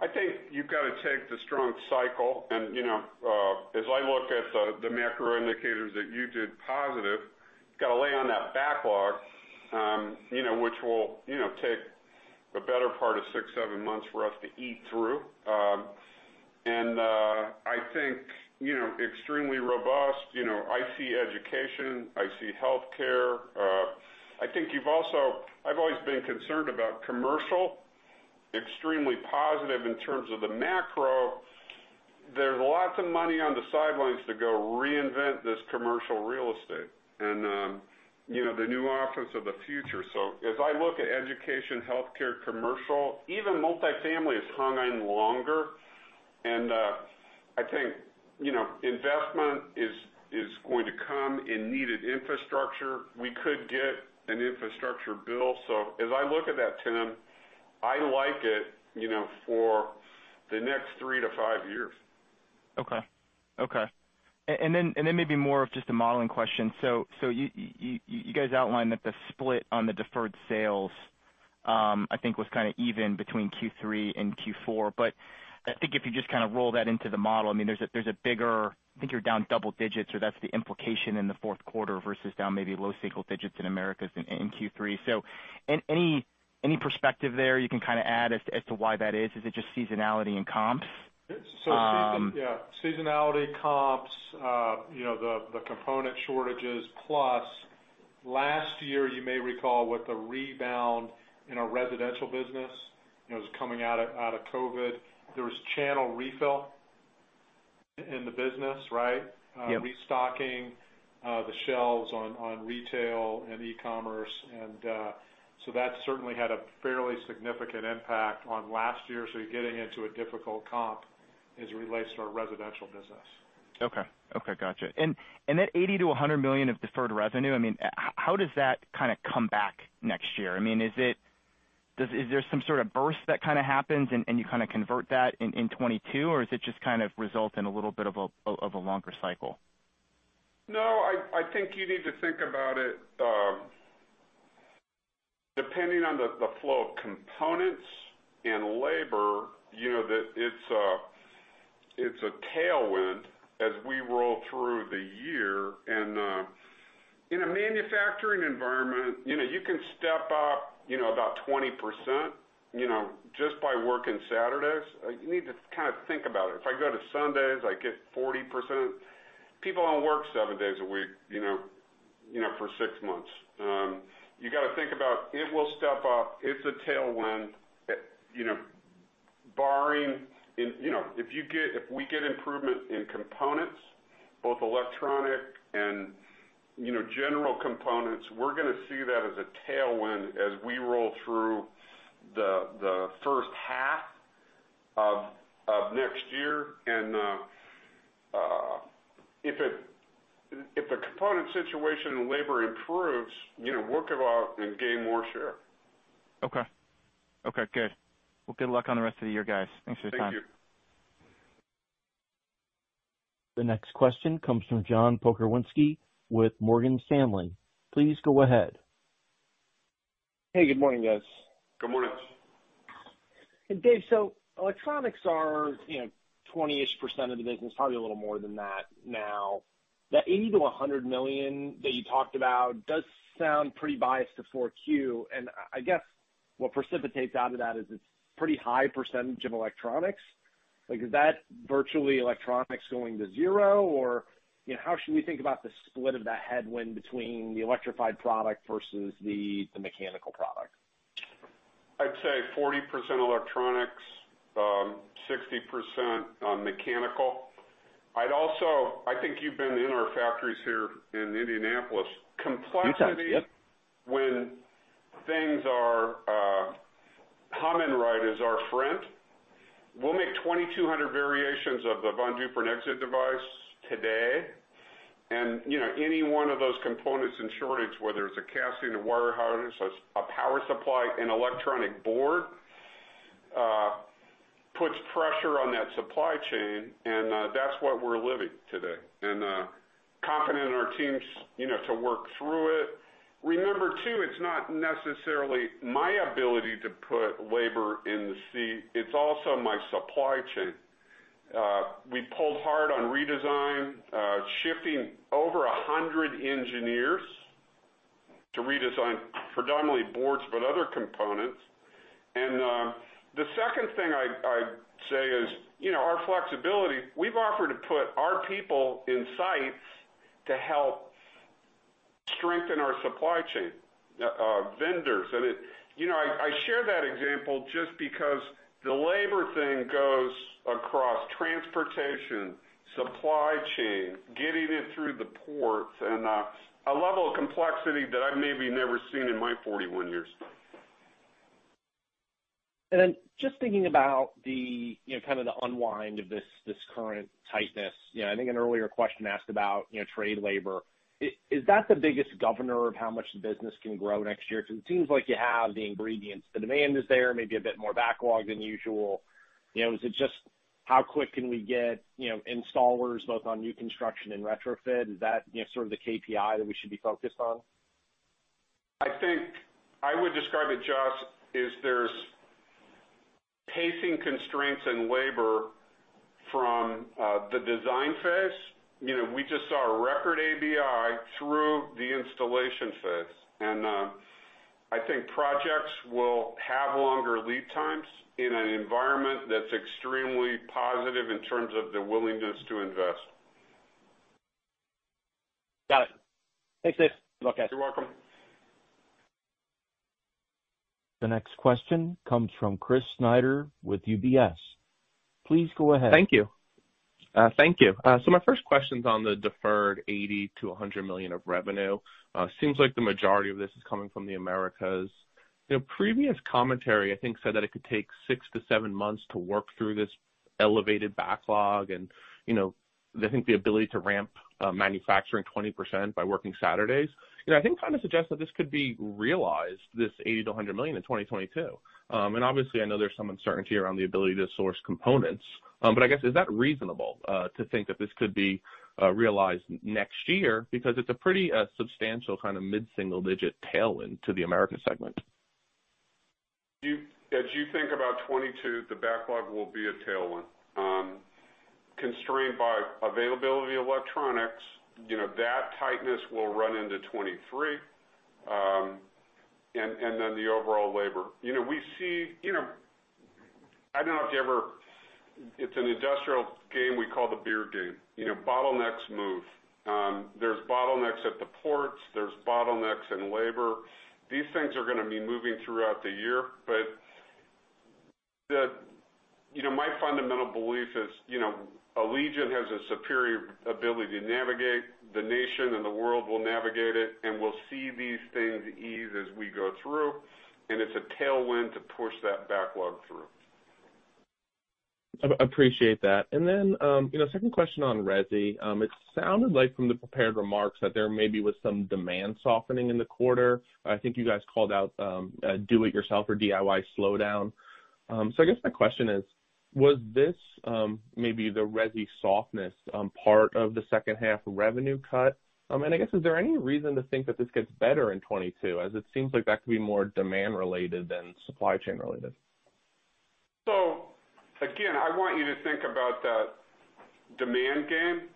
[SPEAKER 3] I think you've got to take the strong cycle. I look at the macro indicators that you did positive, got to lay on that backlog, which will take the better part of six, seven months for us to eat through. I think extremely robust. I see education, I see healthcare. I've always been concerned about commercial. Extremely positive in terms of the macro. There's lots of money on the sidelines to go reinvent this commercial real estate and the new office of the future. As I look at education, healthcare, commercial, even multifamily has hung in longer. I think investment is going to come in needed infrastructure. We could get an infrastructure bill. As I look at that, Tim, I like it for the next three to five years.
[SPEAKER 12] Okay. Then maybe more of just a modeling question. You guys outlined that the split on the deferred sales, I think was even between Q3 and Q4. I think if you just roll that into the model, there's a bigger, I think you're down double digits or that's the implication in Q4 versus down maybe low single digits in Allegion Americas in Q3. Any perspective there you can add as to why that is? Is it just seasonality and comps?
[SPEAKER 3] Seasonality, comps, the component shortages, plus last year, you may recall with the rebound in our residential business, it was coming out of COVID. There was channel refill in the business, right?
[SPEAKER 12] Yep.
[SPEAKER 3] Restocking the shelves on retail and e-commerce. That certainly had a fairly significant impact on last year. You're getting into a difficult comp as it relates to our residential business.
[SPEAKER 12] Okay, gotcha. That $80 million-$100 million of deferred revenue, how does that come back next year? Is there some sort of burst that happens and you convert that in 2022, or is it just result in a little bit of a longer cycle?
[SPEAKER 3] No, I think you need to think about it. The flow of components and labor, it's a tailwind as we roll through the year. In a manufacturing environment, you can step up about 20%, just by working Saturdays. You need to think about it. If I go to Sundays, I get 40%. People don't work seven days a week for six months. You got to think about it. It will step up. It's a tailwind. If we get improvement in components, both electronic and general components, we're going to see that as a tailwind as we roll through H1 of next year. If the component situation and labor improves, work about and gain more share.
[SPEAKER 12] Okay. Good. Well, good luck on the rest of the year, guys. Thanks for your time.
[SPEAKER 3] Thank you.
[SPEAKER 1] The next question comes from Josh Pokrzywinski with Morgan Stanley. Please go ahead.
[SPEAKER 13] Hey, good morning, guys.
[SPEAKER 3] Good morning.
[SPEAKER 13] Dave, electronics are 20%-ish of the business, probably a little more than that now. That $80 million-$100 million that you talked about does sound pretty biased to Q4, and I guess what precipitates out of that is it's pretty high percentage of electronics. Is that virtually electronics going to zero? Or how should we think about the split of that headwind between the electrified product versus the mechanical product?
[SPEAKER 3] I'd say 40% electronics, 60% mechanical. I think you've been in our factories here in Indianapolis. Complexity when things are humming right is our friend. We'll make 2,200 variations of the Von Duprin exit device today, and any one of those components in shortage, whether it's a casting, a wire harness, a power supply, an electronic board, puts pressure on that supply chain, and that's what we're living today, and confident in our teams to work through it. Remember, too, it's not necessarily my ability to put labor in the seat, it's also my supply chain. We pulled hard on redesign, shifting over 100 engineers to redesign predominantly boards, but other components. The second thing I'd say is our flexibility. We've offered to put our people in sites to help strengthen our supply chain vendors. I share that example just because the labor thing goes across transportation, supply chain, getting it through the ports, and a level of complexity that I've maybe never seen in my 41 years.
[SPEAKER 13] Just thinking about the unwind of this current tightness. I think an earlier question asked about trade labor. Is that the biggest governor of how much the business can grow next year? It seems like you have the ingredients. The demand is there, maybe a bit more backlog than usual. Is it just how quick can we get installers both on new construction and retrofit? Is that sort of the KPI that we should be focused on?
[SPEAKER 3] I think I would describe it, Josh, is there's pacing constraints in labor from the design phase. We just saw a record ABI through the installation phase. I think projects will have longer lead times in an environment that's extremely positive in terms of the willingness to invest.
[SPEAKER 13] Got it. Thanks, David. Good luck, guys.
[SPEAKER 3] You're welcome.
[SPEAKER 1] The next question comes from Chris Snyder with UBS. Please go ahead.
[SPEAKER 14] Thank you. My first question's on the deferred $80 million-$100 million of revenue. Seems like the majority of this is coming from the Americas. Previous commentary, I think, said that it could take six to seven months to work through this elevated backlog and, I think the ability to ramp manufacturing 20% by working Saturdays. I think kind of suggests that this could be realized, this $80 million-$100 million in 2022. Obviously, I know there's some uncertainty around the ability to source components. I guess, is that reasonable to think that this could be realized next year? Because it's a pretty substantial kind of mid-single digit tailwind to the American segment.
[SPEAKER 3] As you think about 2022, the backlog will be a tailwind. Constrained by availability of electronics, that tightness will run into 2023. The overall labor. I don't know if you ever. It's an industrial game we call the beer game. Bottlenecks move. There's bottlenecks at the ports, there's bottlenecks in labor. These things are going to be moving throughout the year. My fundamental belief is Allegion has a superior ability to navigate. The nation and the world will navigate it, and we'll see these things ease as we go through, and it's a tailwind to push that backlog through.
[SPEAKER 14] I appreciate that. Then, second question on residential. It sounded like from the prepared remarks that there maybe was some demand softening in the quarter. I think you guys called out do it yourself or DIY slowdown. I guess my question is. Was this maybe the residential softness part of the H2 revenue cut? I guess, is there any reason to think that this gets better in 2022, as it seems like that could be more demand related than supply chain related?
[SPEAKER 3] Again, I want you to think about that demand game.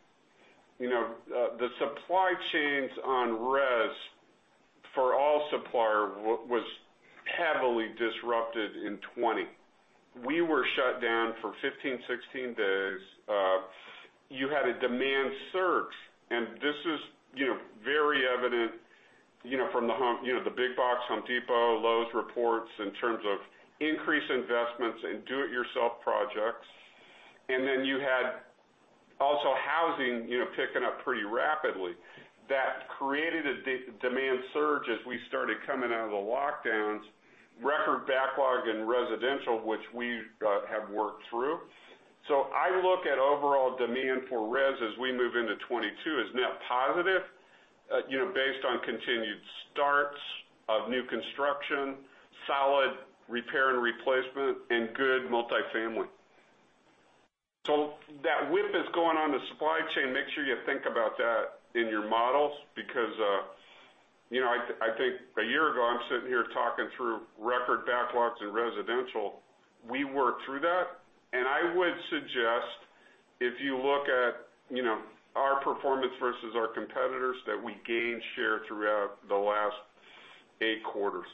[SPEAKER 3] The supply chains on res for all suppliers was heavily disrupted in 2020. We were shut down for 15, 16 days. You had a demand surge, and this is very evident from the big box Home Depot, Lowe's reports in terms of increased investments in do it yourself projects. Then you had also housing picking up pretty rapidly. That created a demand surge as we started coming out of the lockdowns, record backlog in residential, which we have worked through. I look at overall demand for res as we move into 2022 as net positive based on continued starts of new construction, solid repair and replacement, and good multifamily. That whip that's going on the supply chain, make sure you think about that in your models because I think a year ago, I'm sitting here talking through record backlogs in residential. We worked through that, and I would suggest if you look at our performance versus our competitors, that we gained share throughout the last eight quarters.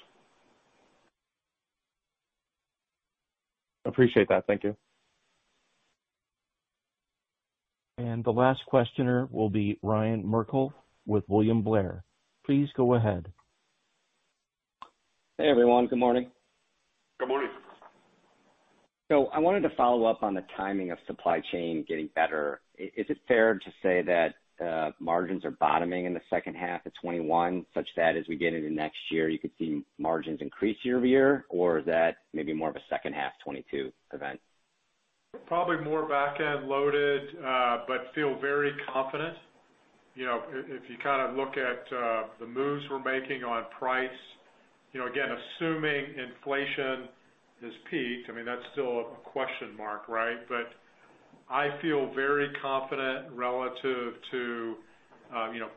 [SPEAKER 14] Appreciate that. Thank you.
[SPEAKER 1] The last questioner will be Ryan Merkel with William Blair. Please go ahead.
[SPEAKER 15] Hey, everyone. Good morning.
[SPEAKER 3] Good morning.
[SPEAKER 15] I wanted to follow up on the timing of supply chain getting better. Is it fair to say that margins are bottoming in the H2 of 2021, such that as we get into next year, you could see margins increase year-over-year? Is that maybe more of a H2 2022 event?
[SPEAKER 4] Probably more back-end loaded, feel very confident. If you look at the moves we're making on price, again, assuming inflation has peaked, I mean, that's still a question mark, right? I feel very confident relative to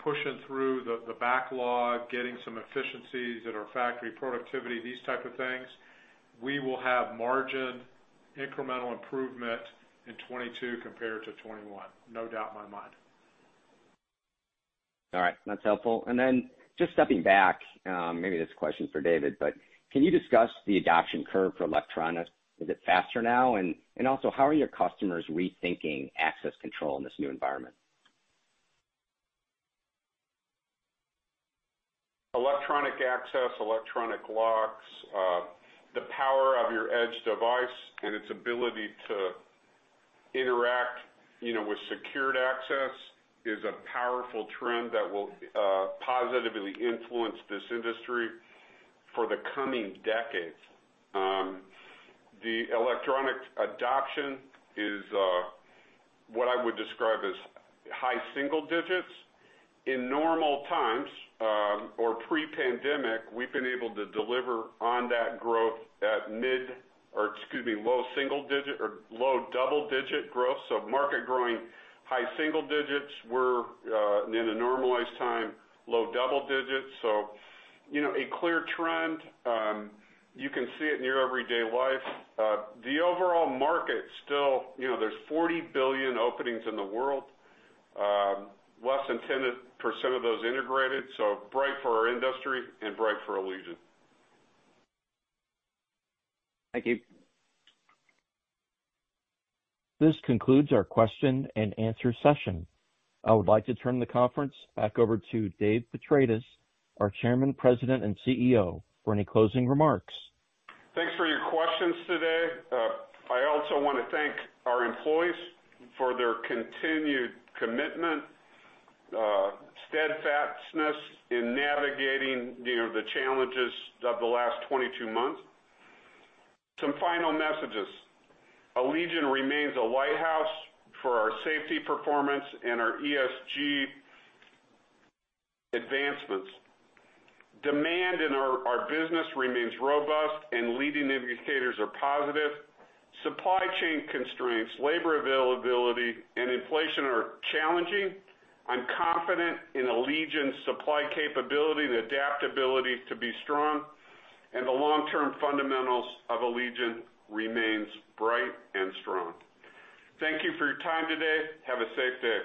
[SPEAKER 4] pushing through the backlog, getting some efficiencies at our factory productivity, these type of things. We will have margin incremental improvement in 2022 compared to 2021. No doubt in my mind.
[SPEAKER 15] All right. That's helpful. Just stepping back, maybe this is a question for David, can you discuss the adoption curve for electronic? Is it faster now? How are your customers rethinking access control in this new environment?
[SPEAKER 3] Electronic access, electronic locks, the power of your edge device and its ability to interact with secured access is a powerful trend that will positively influence this industry for the coming decades. The electronic adoption is what I would describe as high single digits. In normal times, or pre-pandemic, we've been able to deliver on that growth at low double-digit growth. Market growing high single digits. We're, in a normalized time, low double digits. A clear trend. You can see it in your everyday life. The overall market still, there's 40 billion openings in the world. Less than 10% of those integrated, bright for our industry and bright for Allegion.
[SPEAKER 15] Thank you.
[SPEAKER 1] This concludes our question and answer session. I would like to turn the conference back over to David Petratis, our Chairman, President, and CEO, for any closing remarks.
[SPEAKER 3] Thanks for your questions today. I also want to thank our employees for their continued commitment, steadfastness in navigating the challenges of the last 22 months. Some final messages. Allegion remains a lighthouse for our safety performance and our ESG advancements. Demand in our business remains robust and leading indicators are positive. Supply chain constraints, labor availability, and inflation are challenging. I'm confident in Allegion's supply capability and adaptability to be strong, and the long-term fundamentals of Allegion remains bright and strong. Thank you for your time today. Have a safe day.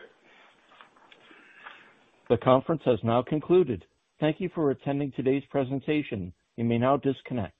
[SPEAKER 1] The conference has now concluded. Thank you for attending today's presentation. You may now disconnect.